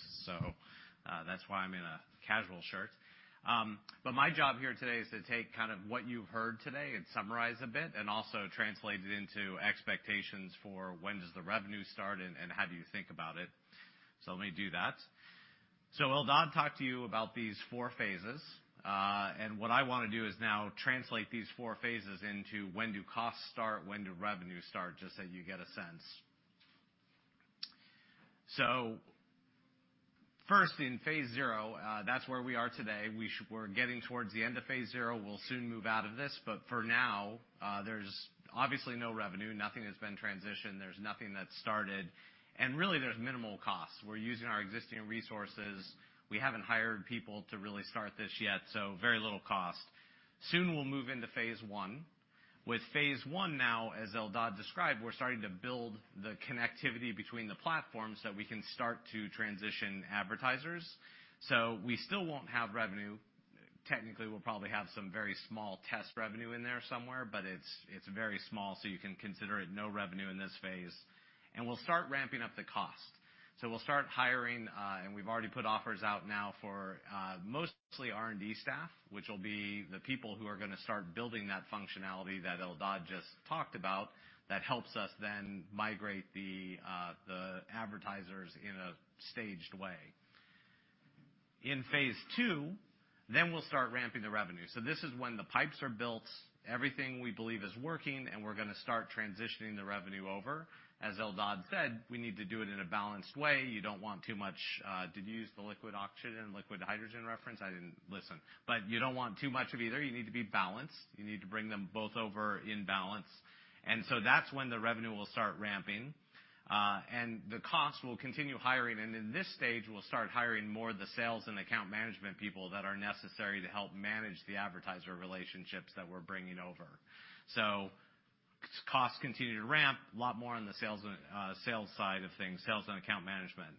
That's why I'm in a casual shirt. My job here today is to take kind of what you've heard today and summarize a bit, and also translate it into expectations for when does the revenue start and how do you think about it. Let me do that. Eldad talked to you about these four phases, and what I wanna do is now translate these four phases into when do costs start, when do revenue start, just so you get a sense. First in phase 0, that's where we are today. We're getting towards the end of phase zero. We'll soon move out of this, for now, there's obviously no revenue, nothing has been transitioned, there's nothing that started, really, there's minimal costs. We're using our existing resources. We haven't hired people to really start this yet, very little cost. Soon, we'll move into phase I. With phase I now, as Eldad described, we're starting to build the connectivity between the platforms so we can start to transition advertisers. We still won't have revenue. Technically, we'll probably have some very small test revenue in there somewhere, but it's very small, so you can consider it no revenue in this phase. We'll start ramping up the cost. We'll start hiring, and we've already put offers out now for mostly R&D staff, which will be the people who are gonna start building that functionality that Eldad just talked about that helps us then migrate the advertisers in a staged way. In phase II, we'll start ramping the revenue. This is when the pipes are built, everything we believe is working, and we're gonna start transitioning the revenue over. As Eldad said, we need to do it in a balanced way. You don't want too much, did you use the liquid oxygen, liquid hydrogen reference? I didn't listen. You don't want too much of either. You need to be balanced. You need to bring them both over in balance. That's when the revenue will start ramping, and the cost will continue hiring. In this stage, we'll start hiring more of the sales and account management people that are necessary to help manage the advertiser relationships that we're bringing over. Cost continue to ramp, lot more on the sales side of things, sales and account management.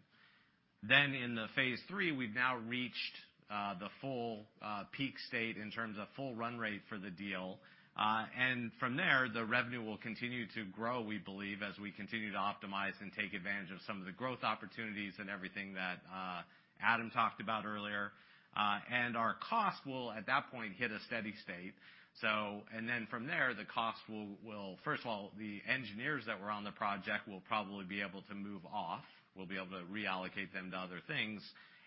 In the phase III, we've now reached the full peak state in terms of full run rate for the deal, and from there, the revenue will continue to grow, we believe, as we continue to optimize and take advantage of some of the growth opportunities and everything that Adam talked about earlier. Our cost will, at that point, hit a steady state. From there, the cost will, first of all, the engineers that were on the project will probably be able to move off. We'll be able to reallocate them to other things,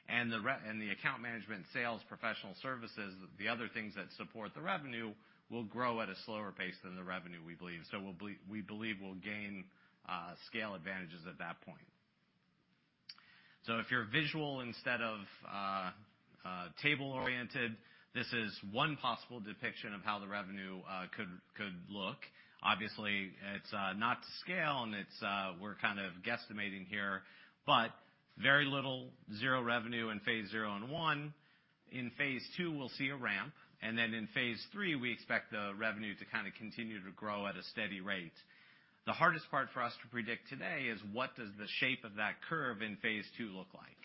the account management sales professional services, the other things that support the revenue, will grow at a slower pace than the revenue, we believe. We believe we'll gain scale advantages at that point. If you're visual instead of table-oriented, this is one possible depiction of how the revenue could look. Obviously, it's not to scale, it's we're kind of guesstimating here, very little, 0 revenue in phase 0 and II. In phase II, we'll see a ramp. In phase III, we expect the revenue to kinda continue to grow at a steady rate. The hardest part for us to predict today is what does the shape of that curve in phase II look like?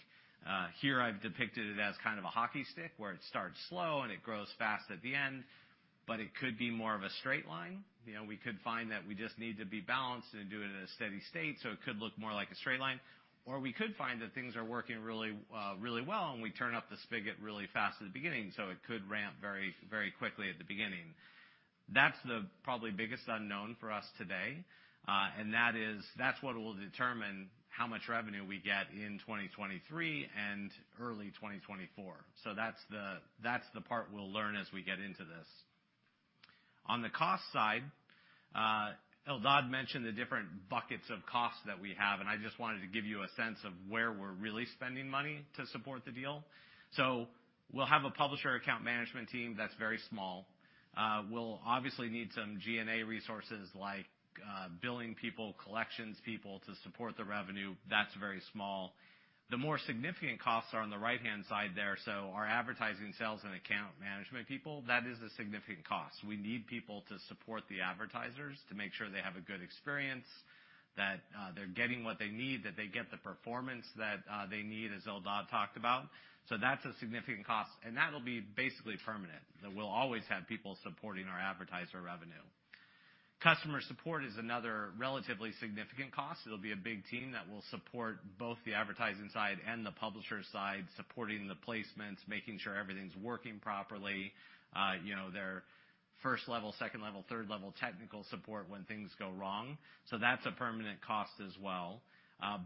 Here I've depicted it as kind of a hockey stick, where it starts slow and it grows fast at the end, but it could be more of a straight line. You know, we could find that we just need to be balanced and do it at a steady state, so it could look more like a straight line. We could find that things are working really well, and we turn up the spigot really fast at the beginning, so it could ramp very, very quickly at the beginning. That's the probably biggest unknown for us today, and that's what will determine how much revenue we get in 2023 and early 2024. That's the, that's the part we'll learn as we get into this. On the cost side, Eldad mentioned the different buckets of costs that we have, and I just wanted to give you a sense of where we're really spending money to support the deal. We'll have a publisher account management team that's very small. We'll obviously need some G&A resources like billing people, collections people to support the revenue. That's very small. The more significant costs are on the right-hand side there. Our advertising sales and account management people, that is a significant cost. We need people to support the advertisers to make sure they have a good experience, that they're getting what they need, that they get the performance that they need, as Eldad talked about. That's a significant cost, and that'll be basically permanent, that we'll always have people supporting our advertiser revenue. Customer support is another relatively significant cost. It'll be a big team that will support both the advertising side and the publisher side, supporting the placements, making sure everything's working properly, you know, their first level, second level, third level technical support when things go wrong. That's a permanent cost as well.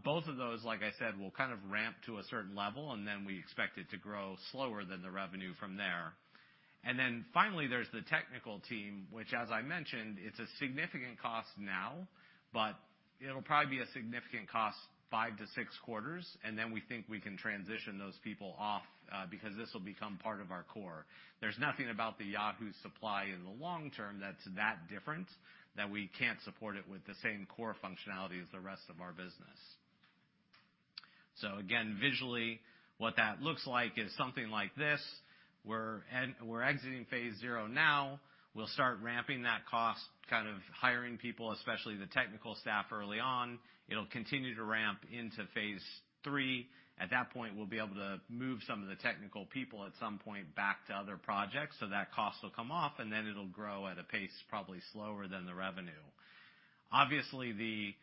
Both of those, like I said, will kind of ramp to a certain level, and then we expect it to grow slower than the revenue from there. Finally, there's the technical team, which as I mentioned, it's a significant cost now, but it'll probably be a significant cost five to six quarters, and then we think we can transition those people off, because this will become part of our core. There's nothing about the Yahoo supply in the long term that's that different that we can't support it with the same core functionality as the rest of our business. Again, visually, what that looks like is something like this. We're exiting phase zero now. We'll start ramping that cost, kind of hiring people, especially the technical staff early on. It'll continue to ramp into phase III. At that point, we'll be able to move some of the technical people at some point back to other projects, so that cost will come off, and then it'll grow at a pace probably slower than the revenue. Obviously, the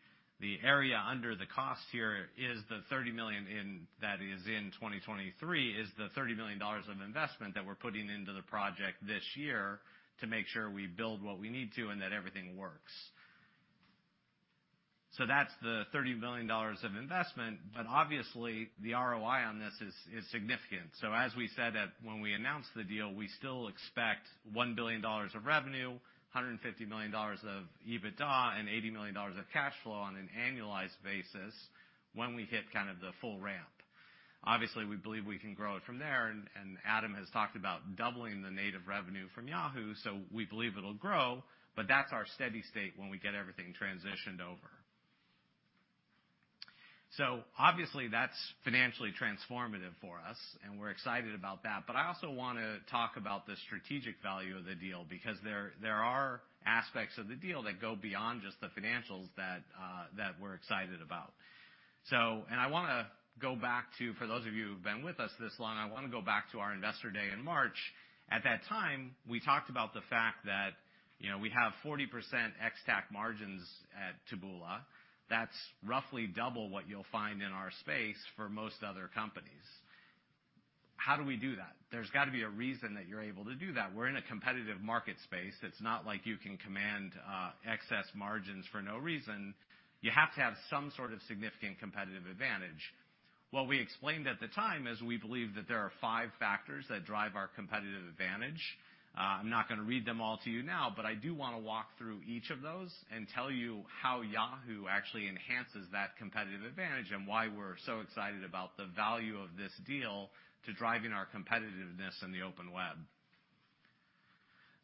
area under the cost here is the $30 million of investment that is in 2023 that we're putting into the project this year to make sure we build what we need to and that everything works. That's the $30 million of investment, but obviously, the ROI on this is significant. As we said when we announced the deal, we still expect $1 billion of revenue, $150 million of EBITDA, and $80 million of cash flow on an annualized basis when we hit kind of the full ramp. We believe we can grow it from there, and Adam has talked about doubling the native revenue from Yahoo. We believe it'll grow, but that's our steady state when we get everything transitioned over. Obviously, that's financially transformative for us, and we're excited about that. I also wanna talk about the strategic value of the deal because there are aspects of the deal that go beyond just the financials that we're excited about. I wanna go back to, for those of you who've been with us this long, I wanna go back to our Investor Day in March. At that time, we talked about the fact that, you know, we have 40% ex-TAC margins at Taboola. That's roughly double what you'll find in our space for most other companies. How do we do that? There's gotta be a reason that you're able to do that. We're in a competitive market space. It's not like you can command excess margins for no reason. You have to have some sort of significant competitive advantage. What we explained at the time is we believe that there are five factors that drive our competitive advantage. I'm not gonna read them all to you now, but I do wanna walk through each of those and tell you how Yahoo actually enhances that competitive advantage and why we're so excited about the value of this deal to driving our competitiveness in the open web.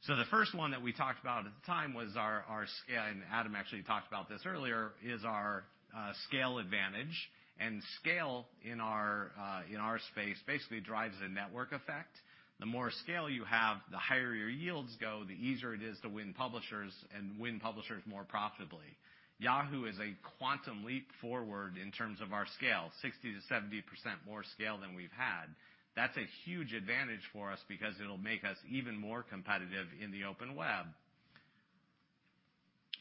The first one that we talked about at the time was our scale, and Adam actually talked about this earlier, is our scale advantage. Scale in our space basically drives a network effect. The more scale you have, the higher your yields go, the easier it is to win publishers and win publishers more profitably. Yahoo is a quantum leap forward in terms of our scale, 60%-70% more scale than we've had. That's a huge advantage for us because it'll make us even more competitive in the open web.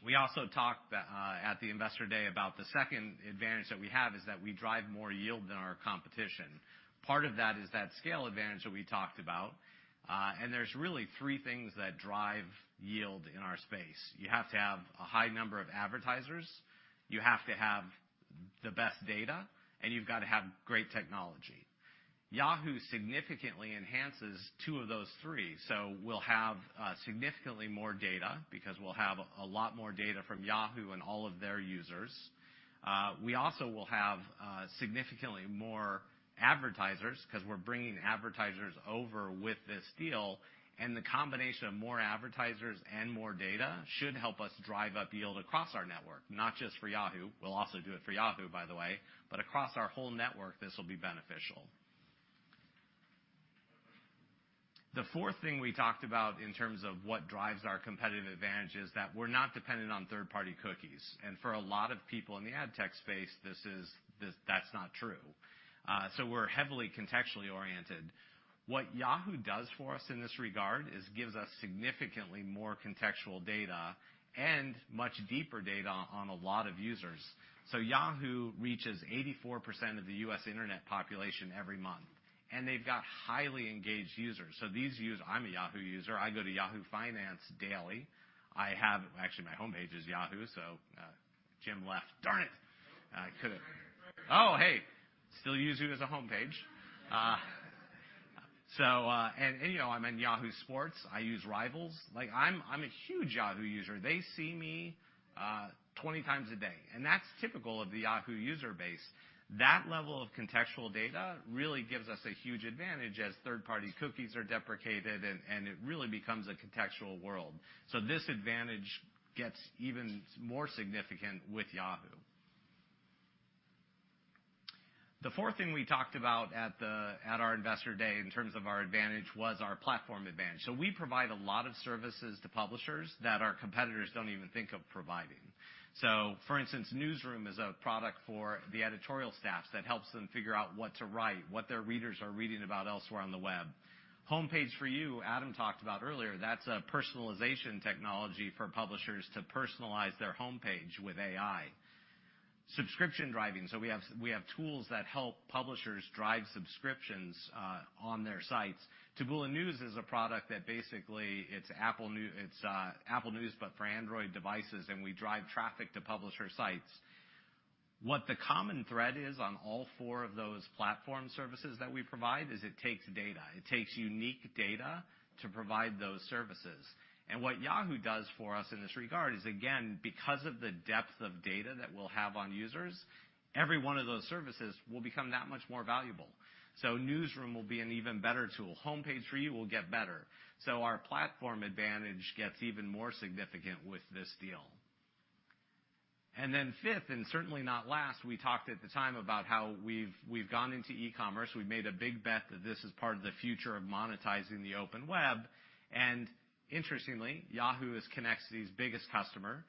We also talked at the Investor Day about the second advantage that we have is that we drive more yield than our competition. Part of that is that scale advantage that we talked about, and there's really three things that drive yield in our space. You have to have a high number of advertisers, you have to have the best data, and you've got to have great technology. Yahoo significantly enhances two of those three. We'll have significantly more data because we'll have a lot more data from Yahoo and all of their users. We also will have significantly more advertisers 'cause we're bringing advertisers over with this deal, and the combination of more advertisers and more data should help us drive up yield across our network, not just for Yahoo. We'll also do it for Yahoo, by the way. Across our whole network, this will be beneficial. The fourth thing we talked about in terms of what drives our competitive advantage is that we're not dependent on third-party cookies. For a lot of people in the ad tech space, that's not true. We're heavily contextually oriented. What Yahoo does for us in this regard is gives us significantly more contextual data and much deeper data on a lot of users. Yahoo reaches 84% of the U.S. internet population every month, and they've got highly engaged users. I'm a Yahoo user. I go to Yahoo Finance daily. Actually, my homepage is Yahoo, so Jim left. Darn it. I could've- Very. Hey, still use you as a homepage. And, you know, I'm in Yahoo Sports. I use Rivals. Like, I'm a huge Yahoo user. They see me 20 times a day, and that's typical of the Yahoo user base. That level of contextual data really gives us a huge advantage as third-party cookies are deprecated, and it really becomes a contextual world. This advantage gets even more significant with Yahoo. The fourth thing we talked about at our Investor Day in terms of our advantage was our platform advantage. We provide a lot of services to publishers that our competitors don't even think of providing. For instance, Newsroom is a product for the editorial staffs that helps them figure out what to write, what their readers are reading about elsewhere on the web. Homepage For You, Adam talked about earlier, that's a personalization technology for publishers to personalize their homepage with AI. Subscription Driving, we have tools that help publishers drive subscriptions on their sites. Taboola News is a product that basically it's Apple News but for Android devices, we drive traffic to publisher sites. What the common thread is on all four of those platform services that we provide is it takes data. It takes unique data to provide those services. What Yahoo does for us in this regard is, again, because of the depth of data that we'll have on users, every one of those services will become that much more valuable. Newsroom will be an even better tool. Homepage For You will get better. Our platform advantage gets even more significant with this deal. Then fifth and certainly not last, we talked at the time about how we've gone into e-commerce. We've made a big bet that this is part of the future of monetizing the open web. Interestingly, Yahoo is Connexity's biggest customer,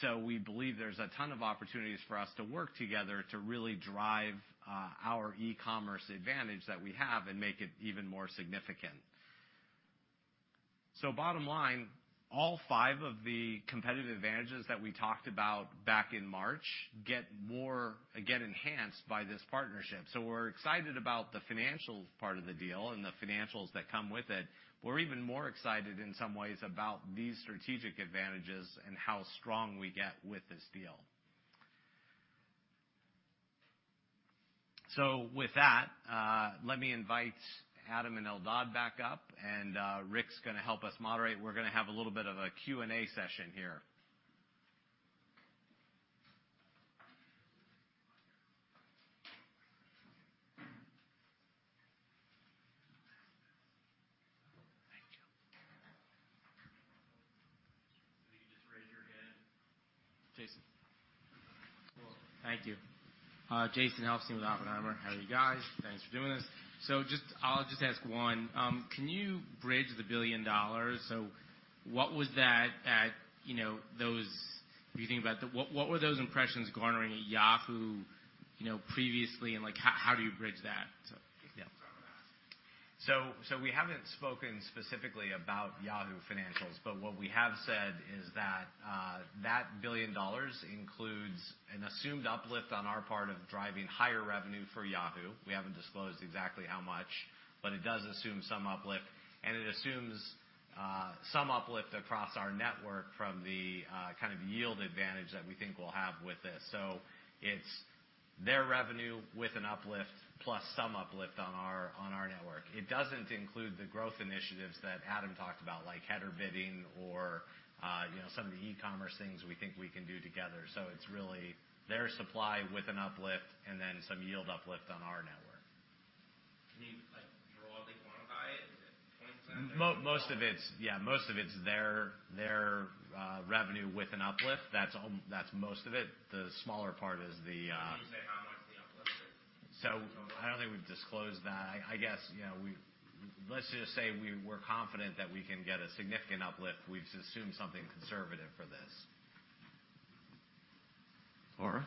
so we believe there's a ton of opportunities for us to work together to really drive our e-commerce advantage that we have and make it even more significant. Bottom line, all five of the competitive advantages that we talked about back in March get more, again, enhanced by this partnership. We're excited about the financial part of the deal and the financials that come with it. We're even more excited in some ways about these strategic advantages and how strong we get with this deal. With that, let me invite Adam and Eldad back up, and Rick's gonna help us moderate. We're gonna have a little bit of a Q&A session here. Thank you. You can just raise your hand. Jason. Cool. Thank you. Jason Helfstein with Oppenheimer. How are you guys? Thanks for doing this. I'll just ask one. Can you bridge the $1 billion? What was that at, you know, what were those impressions garnering at Yahoo, you know, previously, and, like, how do you bridge that? Yeah. We haven't spoken specifically about Yahoo financials, but what we have said is that $1 billion includes an assumed uplift on our part of driving higher revenue for Yahoo. We haven't disclosed exactly how much, but it does assume some uplift, and it assumes some uplift across our network from the kind of yield advantage that we think we'll have with this. It's their revenue with an uplift plus some uplift on our, on our network. It doesn't include the growth initiatives that Adam talked about, like header bidding or, you know, some of the e-commerce things we think we can do together. It's really their supply with an uplift and then some yield uplift on our network. Can you, like, broadly quantify it? Is it 20% or so? Most of it's, yeah, most of it's their revenue with an uplift. That's most of it. The smaller part is the. Can you say how much the uplift is? I don't think we've disclosed that. I guess, you know, let's just say we're confident that we can get a significant uplift. We've assumed something conservative for this. Laura.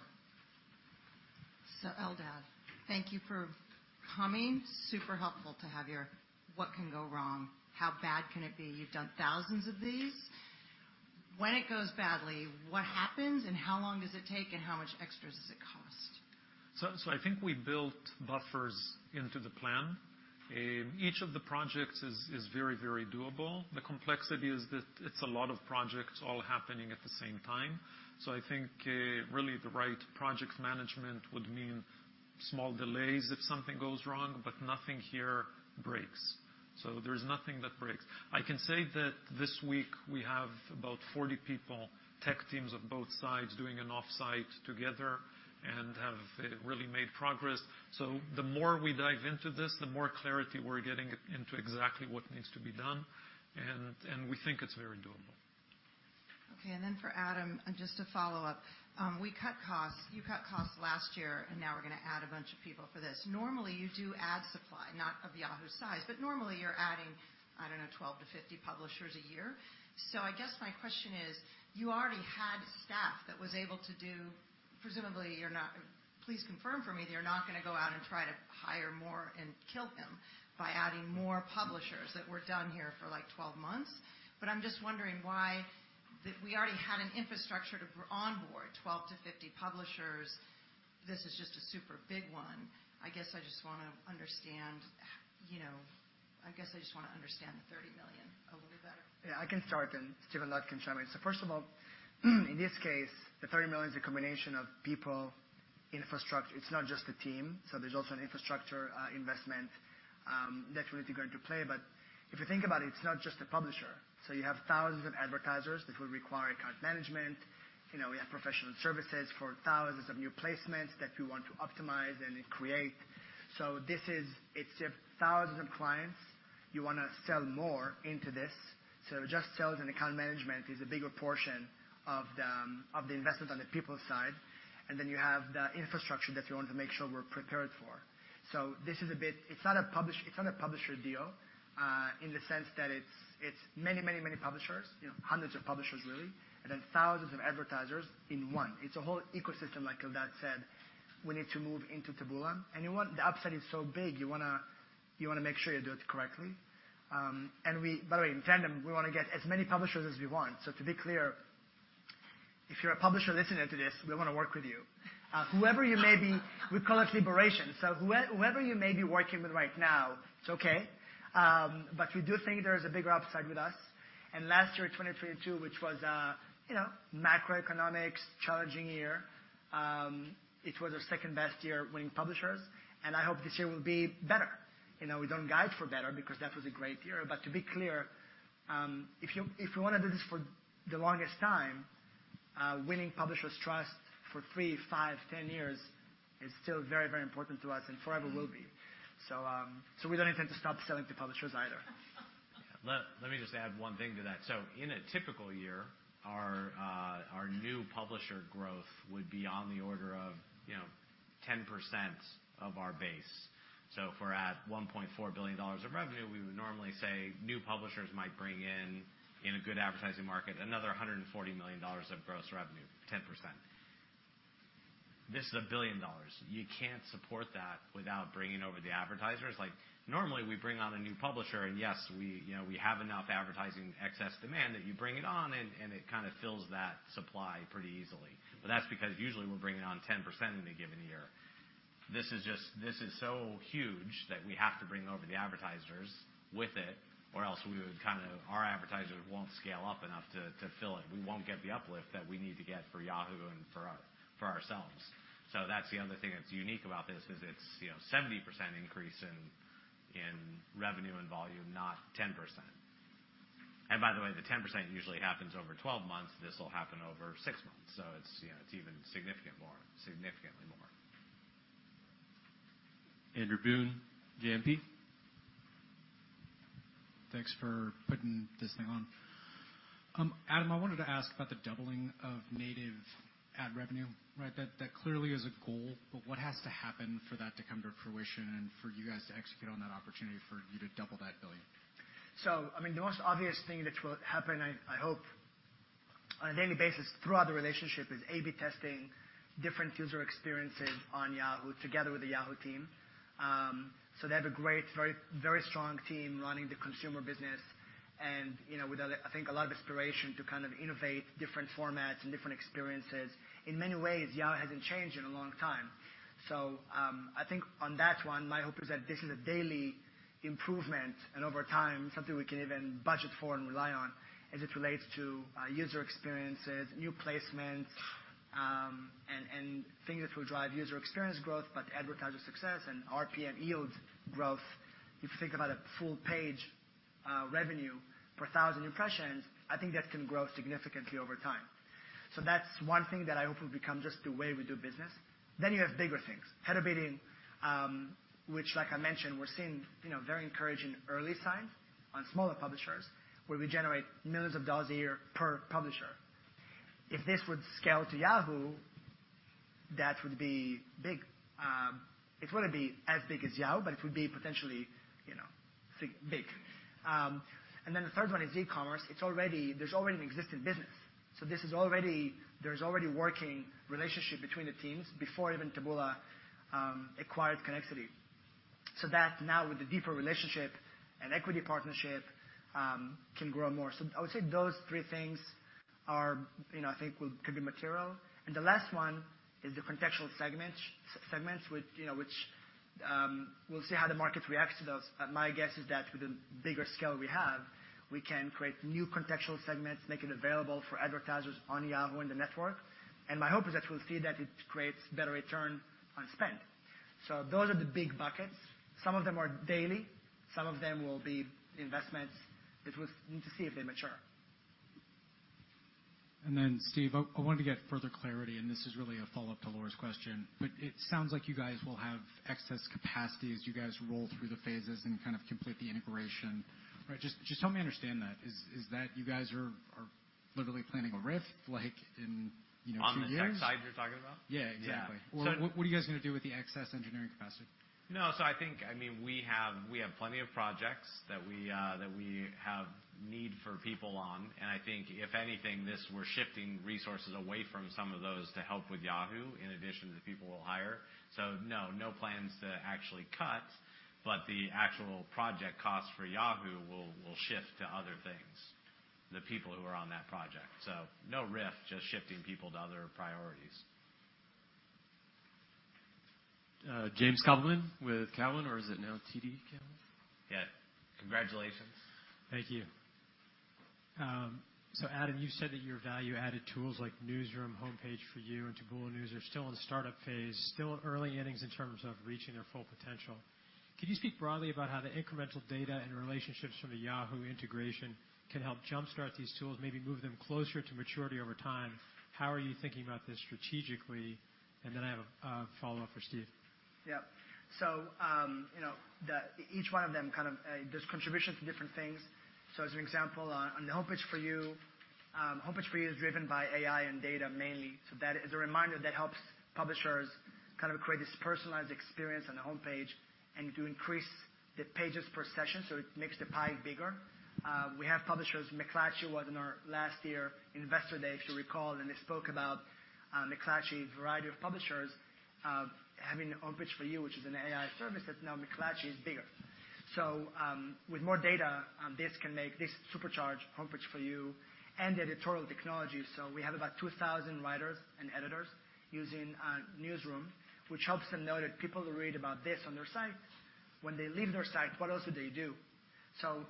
Eldad, thank you for coming. Super helpful to have your, what can go wrong? How bad can it be? You've done thousands of these. When it goes badly, what happens and how long does it take, and how much extra does it cost? I think we built buffers into the plan. Each of the projects is very, very doable. The complexity is that it's a lot of projects all happening at the same time. I think, really the right project management would mean small delays if something goes wrong, but nothing here breaks. There's nothing that breaks. I can say that this week we have about 40 people, tech teams of both sides doing an off-site together and have really made progress. The more we dive into this, the more clarity we're getting into exactly what needs to be done, and we think it's very doable. Okay. Then for Adam, and just to follow up. We cut costs, you cut costs last year, and now we're gonna add a bunch of people for this. Normally, you do ad supply, not of Yahoo's size, but normally you're adding, I don't know, 12 to 50 publishers a year. I guess my question is, you already had staff that was able to do... Presumably, please confirm for me that you're not gonna go out and try to hire more and kill them by adding more publishers that we're done here for, like, 12 months. I'm just wondering why that we already had an infrastructure to onboard 12 to 50 publishers, this is just a super big one. I guess I just wanna understand, you know, I guess I just wanna understand the $30 million a little bit better. I can start, then Stephen Walker can chime in. First of all, in this case, the $30 million is a combination of people, infrastructure. It's not just the team. There's also an infrastructure, investment that really go into play. If you think about it's not just a publisher. You have thousands of advertisers that will require account management. You know, we have professional services for thousands of new placements that we want to optimize and create. This is thousands of clients. You wanna sell more into this. Just sales and account management is a bigger portion of the investment on the people side. Then you have the infrastructure that you want to make sure we're prepared for. This is a bit... It's not a publish, it's not a publisher deal, in the sense that it's many publishers, you know, hundreds of publishers, really, and then thousands of advertisers in one. It's a whole ecosystem, like Eldad said, we need to move into Taboola. The upside is so big, you wanna make sure you do it correctly. By the way, in tandem, we wanna get as many publishers as we want. To be clear, if you're a publisher listening to this, we wanna work with you. Whoever you may be, we call it liberation. Whoever you may be working with right now, it's okay. We do think there's a bigger upside with us. Last year, 2022, which was a, you know, macroeconomics challenging year, it was our second-best year winning publishers, and I hope this year will be better. You know, we don't guide for better because that was a great year. To be clear, if you wanna do this for the longest time, winning publishers' trust for 3, 5, 10 years is still very, very important to us and forever will be. We don't intend to stop selling to publishers either. Let me just add one thing to that. In a typical year, our new publisher growth would be on the order of, you know, 10% of our base. If we're at $1.4 billion of revenue, we would normally say new publishers might bring in a good advertising market, another $140 million of gross revenue, 10%. This is $1 billion. You can't support that without bringing over the advertisers. Normally, we bring on a new publisher, and yes, we, you know, we have enough advertising excess demand that you bring it on and it kinda fills that supply pretty easily. That's because usually we're bringing on 10% in a given year. This is so huge that we have to bring over the advertisers with it, or else we would kind of. Our advertisers won't scale up enough to fill it. We won't get the uplift that we need to get for Yahoo and for ourselves. That's the other thing that's unique about this, is it's, you know, 70% increase in revenue and volume, not 10%. By the way, the 10% usually happens over 12 months. This will happen over 6 months, so it's, you know, it's even significant more, significantly more. Andrew Boone, JMP. Thanks for putting this thing on. Adam, I wanted to ask about the doubling of native ad revenue, right? That clearly is a goal, but what has to happen for that to come to fruition and for you guys to execute on that opportunity for you to double that billion? I mean, the most obvious thing that will happen, I hope on a daily basis throughout the relationship is A/B testing different user experiences on Yahoo together with the Yahoo team. They have a great, very strong team running the consumer business and, you know, with other, I think a lot of inspiration to kind of innovate different formats and different experiences. In many ways, Yahoo hasn't changed in a long time. I think on that one, my hope is that this is a daily improvement and over time, something we can even budget for and rely on as it relates to user experiences, new placements, and things that will drive user experience growth. Advertiser success and RPM yield growth, if you think about a full page, revenue per thousand impressions, I think that can grow significantly over time. That's one thing that I hope will become just the way we do business. You have bigger things, header bidding, which, like I mentioned, we're seeing, you know, very encouraging early signs on smaller publishers where we generate millions of dollars a year per publisher. If this would scale to Yahoo, that would be big. It wouldn't be as big as Yahoo, but it would be potentially, you know, big. The third one is e-commerce. There's already an existing business, there's already working relationship between the teams before even Taboola acquired Connexity. That now with the deeper relationship and equity partnership, can grow more. I would say those three things are, you know, I think could be material. The last one is the contextual segment, segments which, you know, which, we'll see how the market reacts to those. My guess is that with the bigger scale we have, we can create new contextual segments, make it available for advertisers on Yahoo in the network. My hope is that we'll see that it creates better return on spend. Those are the big buckets. Some of them are daily, some of them will be investments that we'll need to see if they mature. Steve, I wanted to get further clarity, and this is really a follow-up to Laura's question, but it sounds like you guys will have excess capacity as you guys roll through the phases and kind of complete the integration. Right? Just help me understand that. Is that you guys are literally planning a RIF, like in, you know, two years? On the tech side, you're talking about? Yeah, exactly. Yeah. What are you guys gonna do with the excess engineering capacity? I think, I mean, we have plenty of projects that we that we have need for people on, and I think if anything this we're shifting resources away from some of those to help with Yahoo in addition to the people we'll hire. No, no plans to actually cut, but the actual project cost for Yahoo will shift to other things, the people who are on that project. No RIF, just shifting people to other priorities. John Blackledge with Cowen or is it now TD Cowen? Yeah. Congratulations. Thank you. Adam, you said that your value-added tools like Newsroom, Homepage For You, and Taboola News are still in the startup phase, still in early innings in terms of reaching their full potential. Could you speak broadly about how the incremental data and relationships from the Yahoo integration can help jumpstart these tools, maybe move them closer to maturity over time? How are you thinking about this strategically? I have a follow-up for Steve. Yeah. You know, each one of them kind of does contribution to different things. As an example, on the Homepage For You, Homepage For You is driven by AI and data mainly. That is a reminder that helps publishers kind of create this personalized experience on the homepage and to increase the pages per session, so it makes the pie bigger. We have publishers, McClatchy was in our last year Investor Day, if you recall, and they spoke about, McClatchy, a variety of publishers, having Homepage For You, which is an AI service that now McClatchy is bigger. With more data, this can make this supercharge Homepage For You and the editorial technology. We have about 2,000 writers and editors using Newsroom, which helps them know that people who read about this on their site, when they leave their site, what else do they do?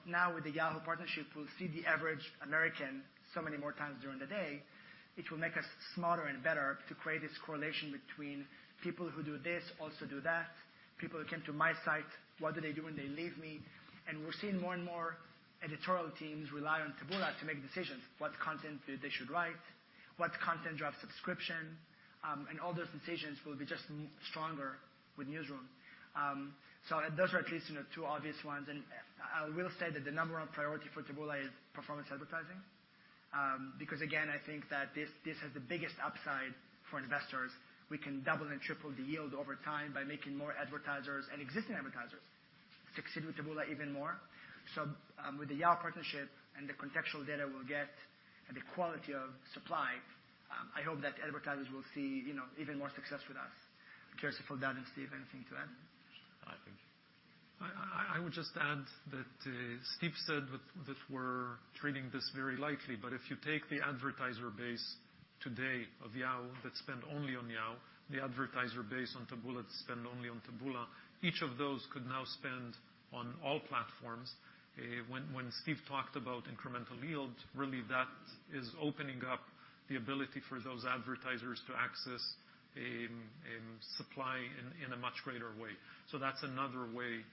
Now with the Yahoo partnership, we'll see the average American so many more times during the day. It will make us smarter and better to create this correlation between people who do this also do that. People who came to my site, what do they do when they leave me? We're seeing more and more editorial teams rely on Taboola to make decisions, what content do they should write, what content drives subscription, and all those decisions will be just stronger with Newsroom. So those are at least, you know, two obvious ones. I will say that the number one priority for Taboola is performance advertising. Because again, I think that this has the biggest upside for investors. We can double and triple the yield over time by making more advertisers and existing advertisers succeed with Taboola even more. With the Yahoo partnership and the contextual data we'll get and the quality of supply, I hope that advertisers will see, you know, even more success with us. I'm curious if Eldad and Steve, anything to add? I think. I would just add that Steve said that we're treating this very lightly, but if you take the advertiser base today of Yahoo that spend only on Yahoo, the advertiser base on Taboola that spend only on Taboola, each of those could now spend on all platforms. When Steve talked about incremental yield, really that is opening up the ability for those advertisers to access a supply in a much greater way. That's another way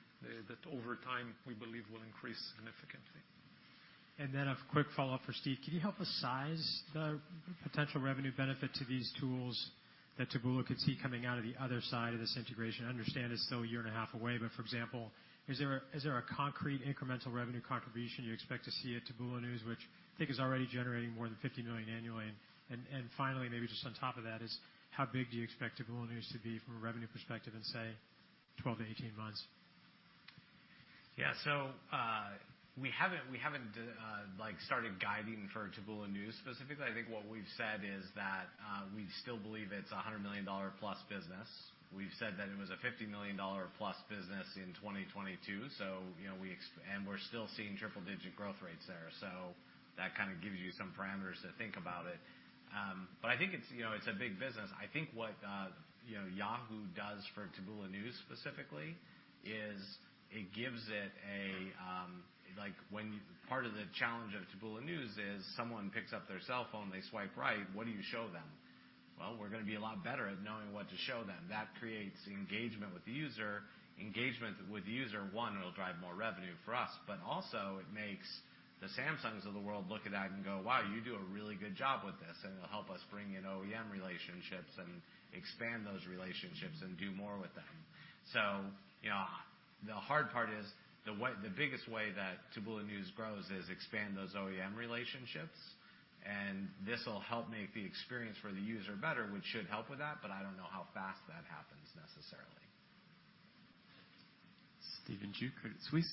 that over time we believe will increase significantly. A quick follow-up for Steve. Can you help us size the potential revenue benefit to these tools that Taboola could see coming out of the other side of this integration? I understand it's still a year and a half away, but for example, is there a concrete incremental revenue contribution you expect to see at Taboola News, which I think is already generating more than $50 million annually? Finally, maybe just on top of that is how big do you expect Taboola News to be from a revenue perspective in, say, 12 to 18 months? Yeah. We haven't started guiding for Taboola News specifically. I think what we've said is that we still believe it's a $100 million-plus business. We've said that it was a $50 million-plus business in 2022. We're still seeing triple-digit growth rates there. That kind of gives you some parameters to think about it. I think it's, you know, it's a big business. I think what, you know, Yahoo does for Taboola News specifically is it gives it a when part of the challenge of Taboola News is someone picks up their cell phone, they swipe right, what do you show them? Well, we're gonna be a lot better at knowing what to show them. That creates engagement with the user. Engagement with the user, one, will drive more revenue for us, but also it makes the Samsungs of the world look at that and go, "Wow, you do a really good job with this," and it'll help us bring in OEM relationships and expand those relationships and do more with them. You know, the hard part is the biggest way that Taboola News grows is expand those OEM relationships, and this will help make the experience for the user better, which should help with that, but I don't know how fast that happens necessarily. Stephen Ju, Credit Suisse.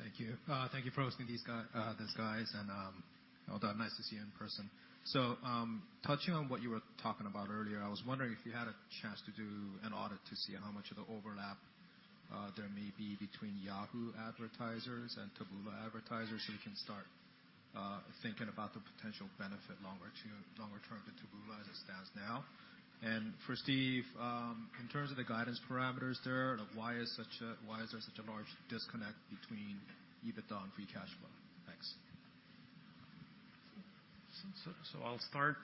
Thank you. Thank you for hosting these guys, and Eldad, nice to see you in person. Touching on what you were talking about earlier, I was wondering if you had a chance to do an audit to see how much of the overlap there may be between Yahoo advertisers and Taboola advertisers, so we can start thinking about the potential benefit longer term to Taboola as it stands now. For Steve, in terms of the guidance parameters there, why is there such a large disconnect between EBITDA and free cash flow? Thanks. I'll start.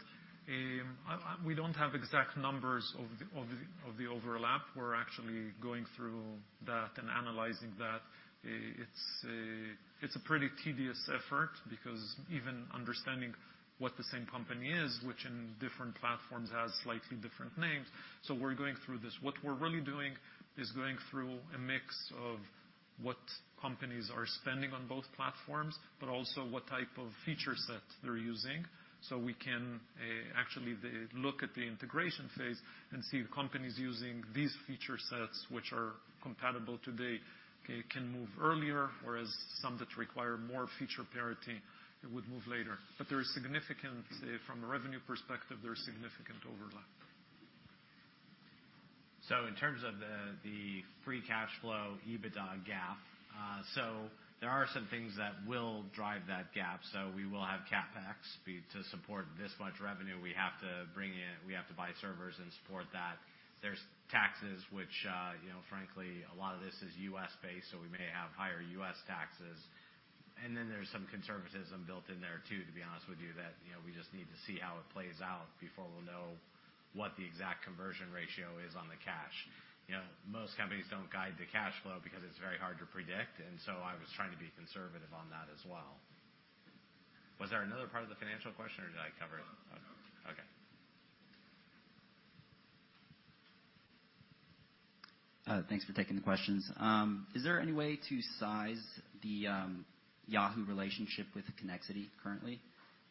We don't have exact numbers of the, of the, of the overlap. We're actually going through that and analyzing that. It's a, it's a pretty tedious effort because even understanding what the same company is, which in different platforms has slightly different names. We're going through this. What we're really doing is going through a mix of what companies are spending on both platforms, but also what type of feature set they're using. We can look at the integration phase and see the companies using these feature sets which are compatible today can move earlier, whereas some that require more feature parity would move later. There is significant, from a revenue perspective, there is significant overlap. In terms of the free cash flow EBITDA gap, there are some things that will drive that gap. We will have CapEx be to support this much revenue, we have to bring in, we have to buy servers and support that. There's taxes, which, you know, frankly, a lot of this is U.S.-based, so we may have higher U.S. taxes. There's some conservatism built in there too, to be honest with you, that, you know, we just need to see how it plays out before we'll know what the exact conversion ratio is on the cash. You know, most companies don't guide the cash flow because it's very hard to predict, I was trying to be conservative on that as well. Was there another part of the financial question or did I cover it? No. Okay. Thanks for taking the questions. Is there any way to size the Yahoo relationship with Connexity currently?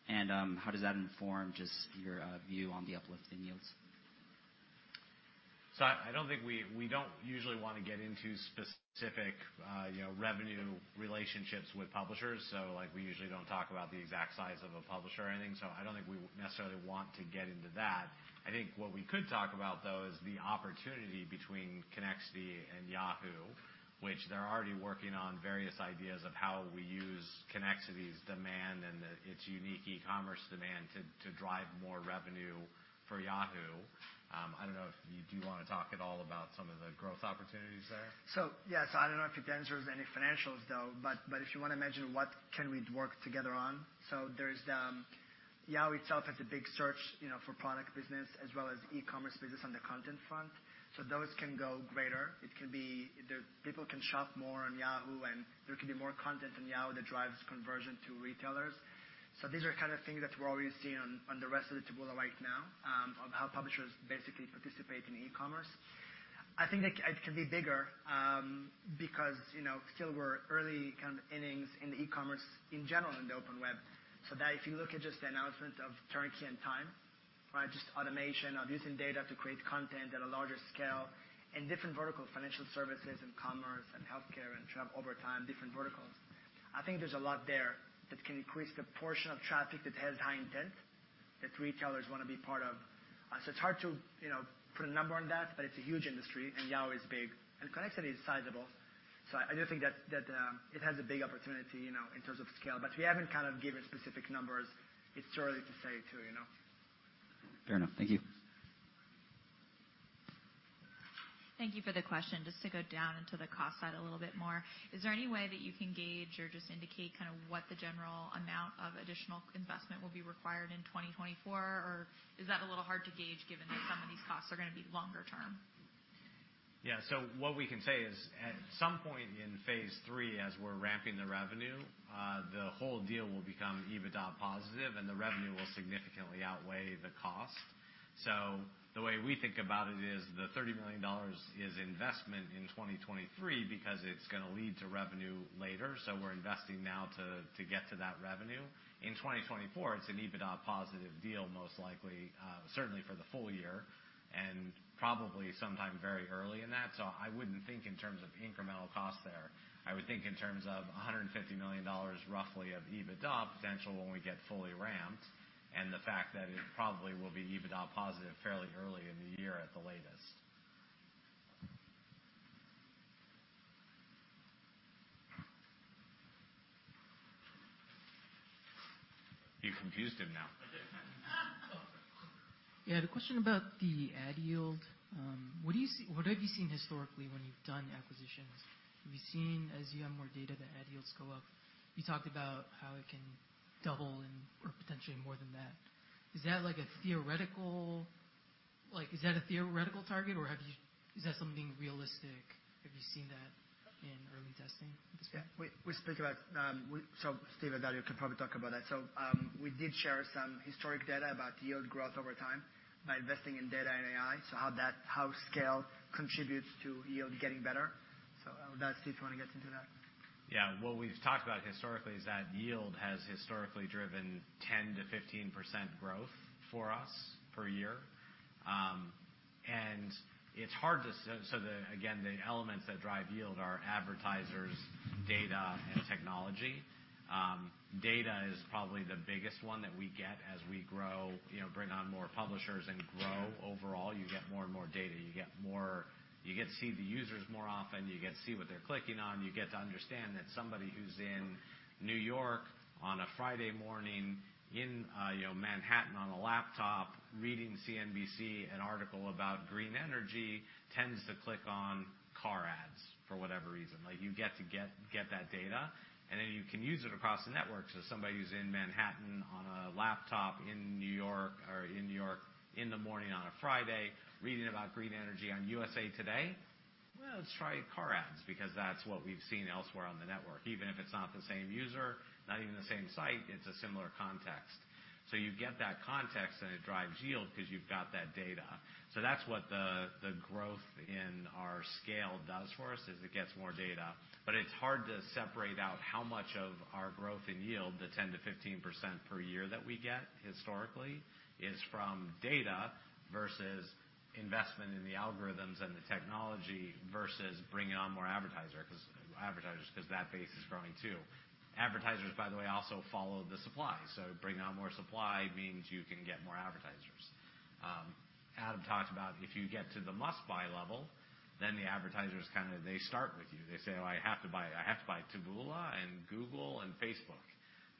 How does that inform just your view on the uplift in yields? I don't think we don't usually want to get into specific, you know, revenue relationships with publishers. Like, we usually don't talk about the exact size of a publisher or anything. I don't think we necessarily want to get into that. I think what we could talk about though is the opportunity between Connexity and Yahoo, which they're already working on various ideas of how we use Connexity's demand and its unique e-commerce demand to drive more revenue for Yahoo. I don't know if you do want to talk at all about some of the growth opportunities there. Yes, I don't know if it answers any financials though, but if you wanna mention what can we work together on. There's Yahoo itself has a big search, you know, for product business as well as e-commerce business on the content front. Those can go greater. It can be people can shop more on Yahoo, and there can be more content on Yahoo that drives conversion to retailers. These are kind of things that we're already seeing on the rest of the Taboola right now, of how publishers basically participate in e-commerce. I think it can be bigger, because, you know, still we're early kind of innings in the e-commerce in general in the open web. That if you look at just the announcement of Turnkey and TIME, right? Just automation of using data to create content at a larger scale in different verticals, financial services and commerce and healthcare and travel over time, different verticals. I think there's a lot there that can increase the portion of traffic that has high intent that retailers wanna be part of. It's hard to, you know, put a number on that, but it's a huge industry and Yahoo is big, and Connexity is sizable. I do think that it has a big opportunity, you know, in terms of scale, but we haven't kind of given specific numbers. It's too early to say too, you know. Fair enough. Thank you. Thank you for the question. Just to go down into the cost side a little bit more, is there any way that you can gauge or just indicate kind of what the general amount of additional investment will be required in 2024? Is that a little hard to gauge given that some of these costs are gonna be longer term? What we can say is, at some point in phase III, as we're ramping the revenue, the whole deal will become EBITDA positive, and the revenue will significantly outweigh the cost. The way we think about it is the $30 million is investment in 2023 because it's gonna lead to revenue later, so we're investing now to get to that revenue. In 2024, it's an EBITDA positive deal, most likely, certainly for the full year, and probably sometime very early in that. I wouldn't think in terms of incremental cost there. I would think in terms of $150 million roughly of EBITDA potential when we get fully ramped and the fact that it probably will be EBITDA positive fairly early in the year at the latest. You confused him now. Yeah. The question about the ad yield, what have you seen historically when you've done acquisitions? Have you seen, as you have more data, the ad yields go up? You talked about how it can double and/or potentially more than that. Is that a theoretical target, or is that something realistic? Have you seen that in early testing? Yeah. Stephen Walker and Eldad Maniv can probably talk about that. We did share some historic data about yield growth over time by investing in data and AI, how that how scale contributes to yield getting better. Eldad Maniv, Stephen Walker, do you wanna get into that? Yeah. What we've talked about historically is that yield has historically driven 10%-15% growth for us per year. So the, again, the elements that drive yield are advertisers, data, and technology. Data is probably the biggest one that we get as we grow, you know, bring on more publishers and grow. Overall, you get more and more data. You get to see the users more often. You get to see what they're clicking on. You get to understand that somebody who's in New York on a Friday morning in, you know, Manhattan on a laptop reading CNBC, an article about green energy tends to click on car ads for whatever reason. Like, you get to get that data, and then you can use it across the network. Somebody who's in Manhattan on a laptop in New York or in New York in the morning on a Friday, reading about green energy on USA Today, well, let's try car ads because that's what we've seen elsewhere on the network. Even if it's not the same user, not even the same site, it's a similar context. You get that context, and it drives yield ’cause you've got that data. That's what the growth in our scale does for us, is it gets more data. It's hard to separate out how much of our growth in yield, the 10%-15% per year that we get historically, is from data versus investment in the algorithms and the technology versus bringing on more advertisers ’cause that base is growing too. Advertisers, by the way, also follow the supply. Bringing on more supply means you can get more advertisers. Adam talked about if you get to the must-buy level, then the advertisers they start with you. They say, "Well, I have to buy Taboola and Google and Facebook."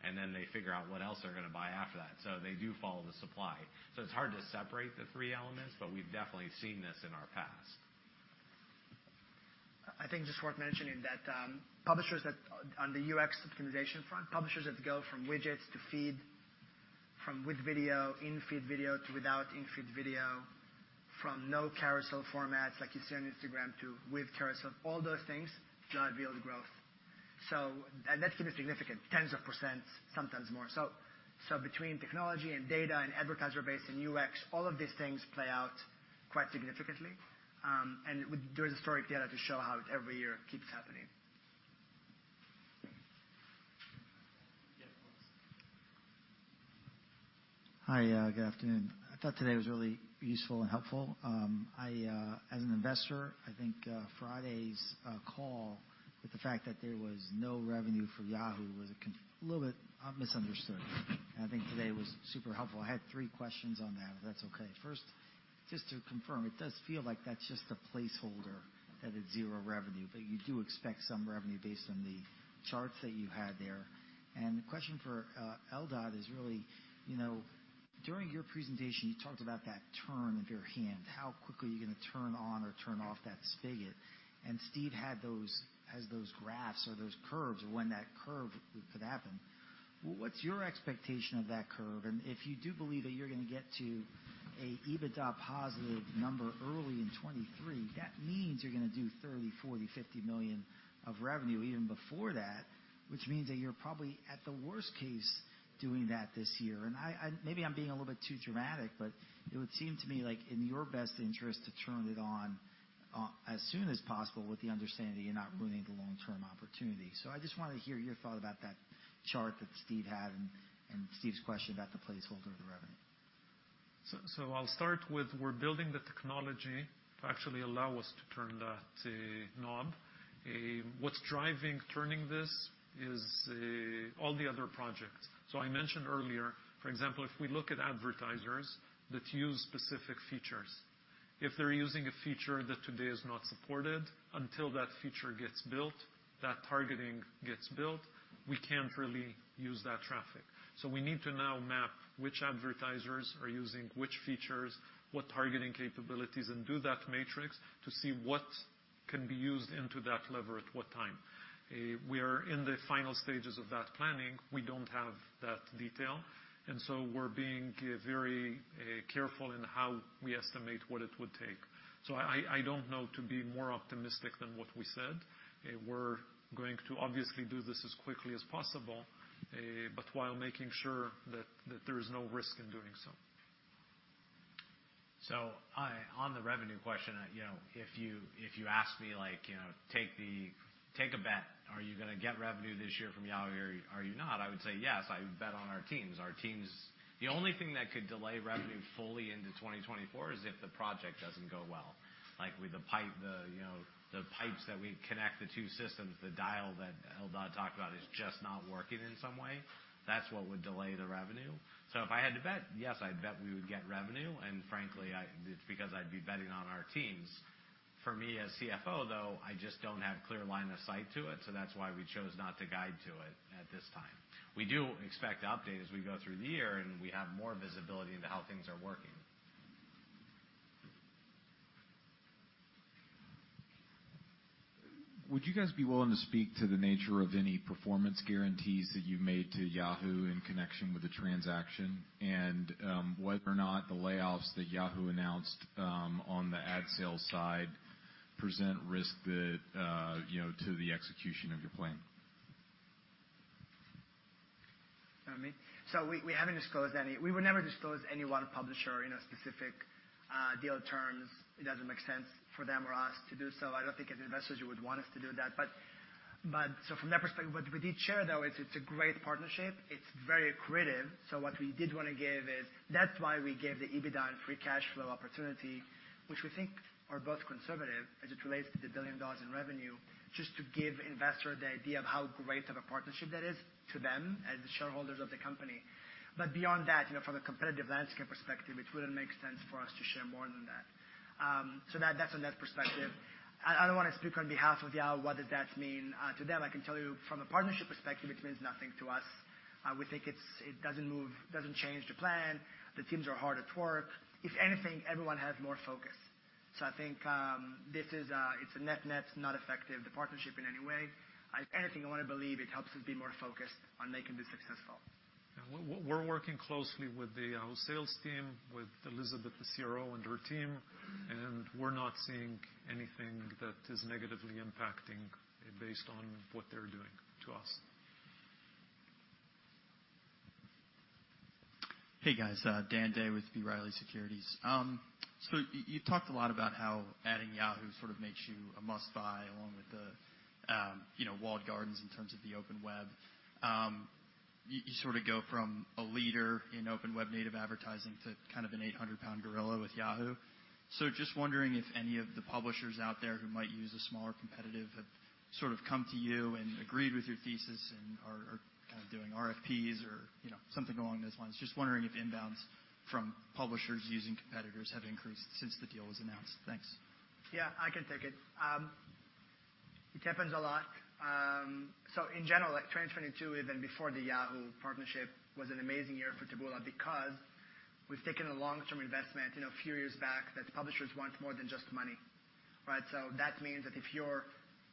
Then they figure out what else they're gonna buy after that. They do follow the supply. It's hard to separate the three elements, but we've definitely seen this in our past. I think just worth mentioning that, publishers that, on the UX optimization front, publishers that go from widgets to feed, from with video, in-feed video, to without in-feed video, from no carousel formats like you see on Instagram to with carousel, all those things drive yield growth. That's gonna be significant, tens of percents, sometimes more. Between technology and data and advertiser base and UX, all of these things play out quite significantly. There's historic data to show how every year it keeps happening. Yeah, of course. Hi. Good afternoon. I thought today was really useful and helpful. I, as an investor, I think Friday's call with the fact that there was no revenue for Yahoo was a little bit misunderstood. I think today was super helpful. I had three questions on that, if that's okay. First, just to confirm, it does feel like that's just a placeholder that it's 0 revenue, but you do expect some revenue based on the charts that you had there. The question for Eldad is really, you know, during your presentation, you talked about that turn of your hand, how quickly you're gonna turn on or turn off that spigot. Steve has those graphs or those curves of when that curve could happen. What's your expectation of that curve? If you do believe that you're gonna get to a EBITDA positive number early in 2023, that means you're gonna do $30 million, $40 million, $50 million of revenue even before that, which means that you're probably, at the worst case, doing that this year. Maybe I'm being a little bit too dramatic, but it would seem to me like in your best interest to turn it on as soon as possible with the understanding that you're not ruining the long-term opportunity. I just wanna hear your thought about that chart that Stephen had and Stephen's question about the placeholder of the revenue. I'll start with we're building the technology to actually allow us to turn that knob. What's driving turning this is all the other projects. I mentioned earlier, for example, if we look at advertisers that use specific features, if they're using a feature that today is not supported, until that feature gets built, that targeting gets built, we can't really use that traffic. We need to now map which advertisers are using which features, what targeting capabilities, and do that matrix to see what can be used into that lever at what time. We are in the final stages of that planning. We don't have that detail, we're being very careful in how we estimate what it would take. I don't know to be more optimistic than what we said. We're going to obviously do this as quickly as possible, but while making sure that there is no risk in doing so. On the revenue question, you know, if you, if you ask me like, you know, take a bet, are you gonna get revenue this year from Yahoo! or are you not? I would say yes. I bet on our teams. The only thing that could delay revenue fully into 2024 is if the project doesn't go well. Like, with the pipe, you know, the pipes that we connect the two systems, the dial that Eldad talked about is just not working in some way. That's what would delay the revenue. If I had to bet, yes, I'd bet we would get revenue, and frankly, it's because I'd be betting on our teams. For me, as CFO, though, I just don't have clear line of sight to it, that's why we chose not to guide to it at this time. We do expect to update as we go through the year. We have more visibility into how things are working. Would you guys be willing to speak to the nature of any performance guarantees that you made to Yahoo! in connection with the transaction, and, whether or not the layoffs that Yahoo! announced on the ad sales side present risk that, you know, to the execution of your plan? You want me? We haven't disclosed any. We would never disclose any one publisher in a specific deal terms. It doesn't make sense for them or us to do so. I don't think as investors you would want us to do that. From that perspective, what we did share, though, is it's a great partnership. It's very accretive. What we did wanna give is, that's why we gave the EBITDA and free cash flow opportunity, which we think are both conservative as it relates to the $1 billion in revenue, just to give investor the idea of how great of a partnership that is to them as the shareholders of the company. Beyond that, you know, from a competitive landscape perspective, it wouldn't make sense for us to share more than that. That's on that perspective. I don't wanna speak on behalf of Yahoo! What does that mean to them? I can tell you from a partnership perspective, it means nothing to us. We think it doesn't move, doesn't change the plan. The teams are hard at work. If anything, everyone has more focus. I think it's a net-net, not effective the partnership in any way. If anything, I wanna believe it helps us be more focused on making this successful. We're working closely with the Yahoo! sales team, with Elizabeth, the CRO, and her team, and we're not seeing anything that is negatively impacting based on what they're doing to us. Hey, guys, Dan Day with B. Riley Securities. You talked a lot about how adding Yahoo! sort of makes you a must-buy along with the, you know, walled gardens in terms of the open web. You sort of go from a leader in open web native advertising to kind of an 800 pound gorilla with Yahoo! Just wondering if any of the publishers out there who might use a smaller competitive have sort of come to you and agreed with your thesis and are kind of doing RFPs or, you know, something along those lines. Just wondering if inbounds from publishers using competitors have increased since the deal was announced. Thanks. Yeah, I can take it. It happens a lot. In general, like, 2022, even before the Yahoo! partnership was an amazing year for Taboola because we've taken a long-term investment, you know, a few years back that publishers want more than just money, right? That means that if you're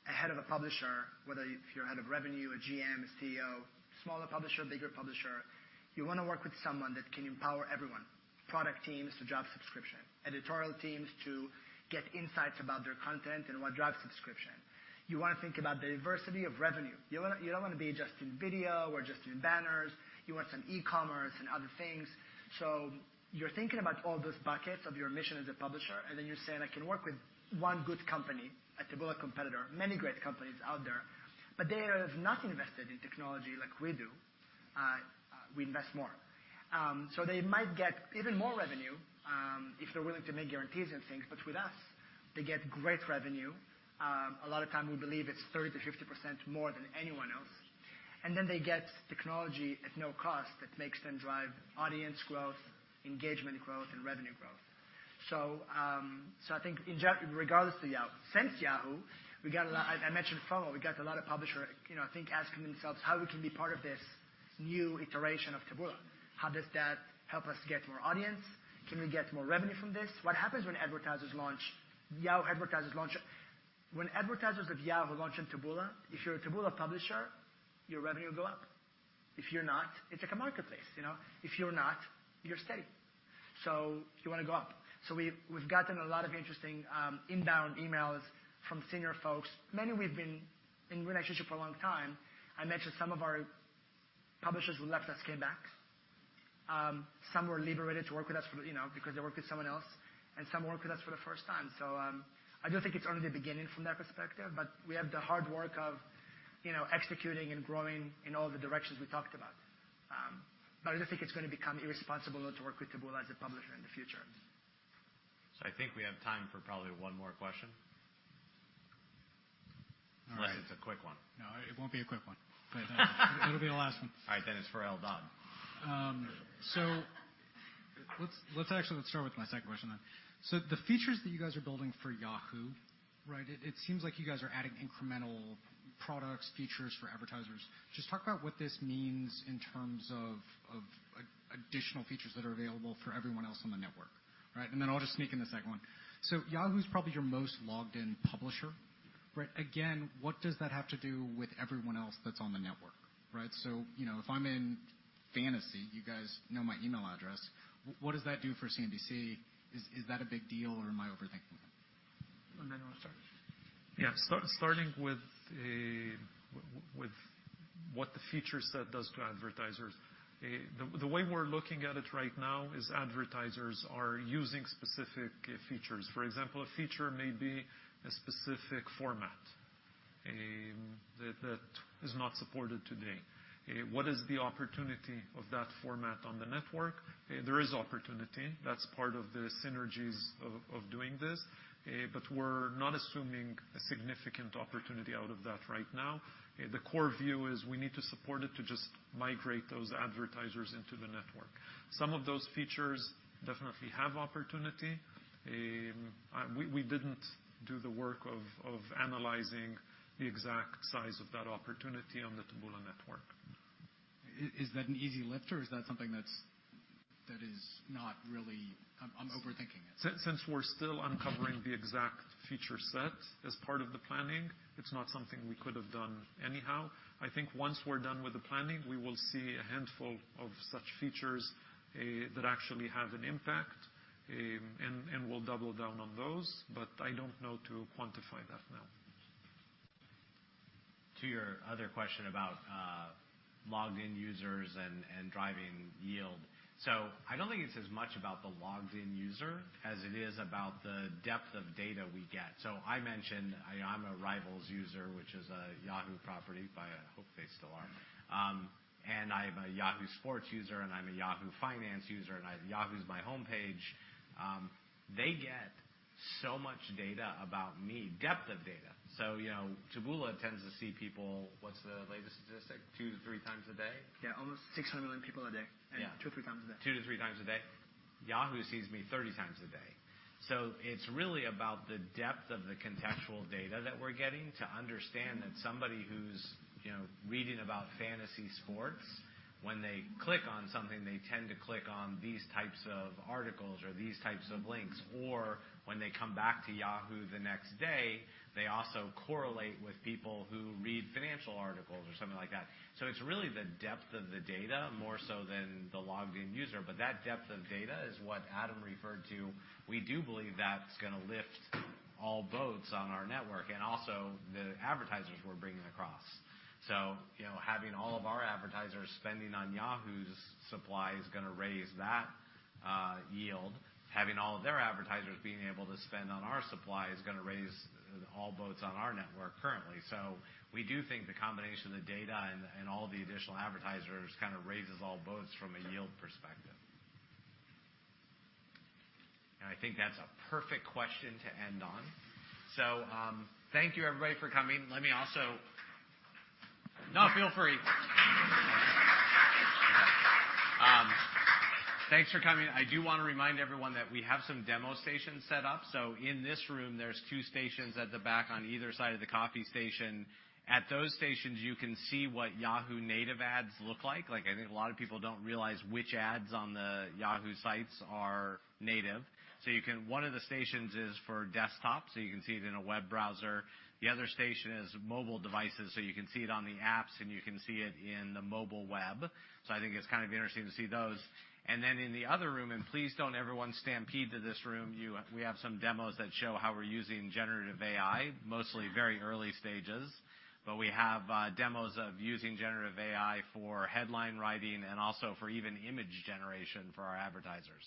a head of a publisher, whether you're head of revenue, a GM, a CEO, smaller publisher, bigger publisher, you wanna work with someone that can empower everyone, product teams to drive subscription, editorial teams to get insights about their content and what drives subscription. You wanna think about the diversity of revenue. You don't wanna be just in video or just in banners. You want some e-commerce and other things. You're thinking about all those buckets of your mission as a publisher, you're saying, "I can work with one good company," a Taboola competitor, many great companies out there, they have not invested in technology like we do. We invest more. They might get even more revenue if they're willing to make guarantees and things. With us, they get great revenue. A lot of time, we believe it's 30%-50% more than anyone else. They get technology at no cost that makes them drive audience growth, engagement growth, and revenue growth. I think regardless of Yahoo! Since Yahoo, we got a lot, I mentioned Follow. We got a lot of publisher, you know, I think asking themselves how we can be part of this new iteration of Taboola. How does that help us get more audience? Can we get more revenue from this? What happens when advertisers of Yahoo! launch in Taboola, if you're a Taboola publisher, your revenue will go up. If you're not, it's like a marketplace, you know. If you're not, you're steady. You wanna go up. We've gotten a lot of interesting inbound emails from senior folks, many we've been in relationship for a long time. I mentioned some of our publishers who left us came back. Some were liberated to work with us for, you know, because they work with someone else, and some work with us for the first time. I do think it's only the beginning from that perspective, but we have the hard work of, you know, executing and growing in all the directions we talked about. I do think it's gonna become irresponsible not to work with Taboola as a publisher in the future. I think we have time for probably one more question. All right. Unless it's a quick one. No, it won't be a quick one. It'll be the last one. All right. It's for Eldad. Let's actually let's start with my second question then. The features that you guys are building for Yahoo!, right, it seems like you guys are adding incremental products, features for advertisers. Just talk about what this means in terms of additional features that are available for everyone else on the network. Right? Then I'll just sneak in the second one. Yahoo's probably your most logged in publisher, right? Again, what does that have to do with everyone else that's on the network, right? You know, if I'm in Fantasy, you guys know my email address. What does that do for CNBC? Is that a big deal or am I overthinking that? Maniv will start. Yeah. Starting with what the feature set does to advertisers. The way we're looking at it right now is advertisers are using specific features. For example, a feature may be a specific format that is not supported today. What is the opportunity of that format on the network? There is opportunity. That's part of the synergies of doing this. We're not assuming a significant opportunity out of that right now. The core view is we need to support it to just migrate those advertisers into the network. Some of those features definitely have opportunity. We didn't do the work of analyzing the exact size of that opportunity on the Taboola network. Is that an easy lift or is that something that is not really? I'm overthinking it? Since we're still uncovering the exact feature set as part of the planning, it's not something we could have done anyhow. I think once we're done with the planning, we will see a handful of such features that actually have an impact, and we'll double down on those. I don't know to quantify that now. To your other question about logged-in users and driving yield. I don't think it's as much about the logged-in user as it is about the depth of data we get. I mentioned I'm a Rivals user, which is a Yahoo property, but I hope they still are. And I'm a Yahoo Sports user, and I'm a Yahoo Finance user. Yahoo is my homepage. They get so much data about me, depth of data. You know, Taboola tends to see people, what's the latest statistic? 2 to 3 times a day? Yeah, almost 600 million people a day. Yeah. Two to three times a day. Two to three times a day. Yahoo sees me 30 times a day. It's really about the depth of the contextual data that we're getting to understand that somebody who's, you know, reading about fantasy sports, when they click on something, they tend to click on these types of articles or these types of links, or when they come back to Yahoo the next day, they also correlate with people who read financial articles or something like that. It's really the depth of the data, more so than the logged in user. That depth of data is what Adam referred to. We do believe that's gonna lift all boats on our network and also the advertisers we're bringing across. You know, having all of our advertisers spending on Yahoo's supply is gonna raise that yield. Having all of their advertisers being able to spend on our supply is gonna raise all boats on our network currently. We do think the combination of data and all the additional advertisers kinda raises all boats from a yield perspective. I think that's a perfect question to end on. Thank you, everybody, for coming. No, feel free. Thanks for coming. I do wanna remind everyone that we have some demo stations set up. In this room, there's two stations at the back on either side of the coffee station. At those stations, you can see what Yahoo native ads look like. Like, I think a lot of people don't realize which ads on the Yahoo sites are native. One of the stations is for desktop, so you can see it in a web browser. The other station is mobile devices, so you can see it on the apps, and you can see it in the mobile web. I think it's kind of interesting to see those. Then in the other room, and please don't everyone stampede to this room, we have some demos that show how we're using generative AI, mostly very early stages. We have demos of using generative AI for headline writing and also for even image generation for our advertisers.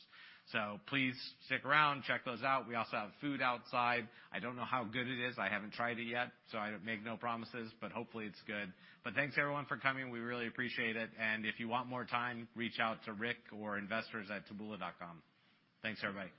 Please stick around, check those out. We also have food outside. I don't know how good it is. I haven't tried it yet, so I make no promises, but hopefully it's good. Thanks, everyone, for coming. We really appreciate it. If you want more time, reach out to Rick or investors at Taboola.com. Thanks, everybody.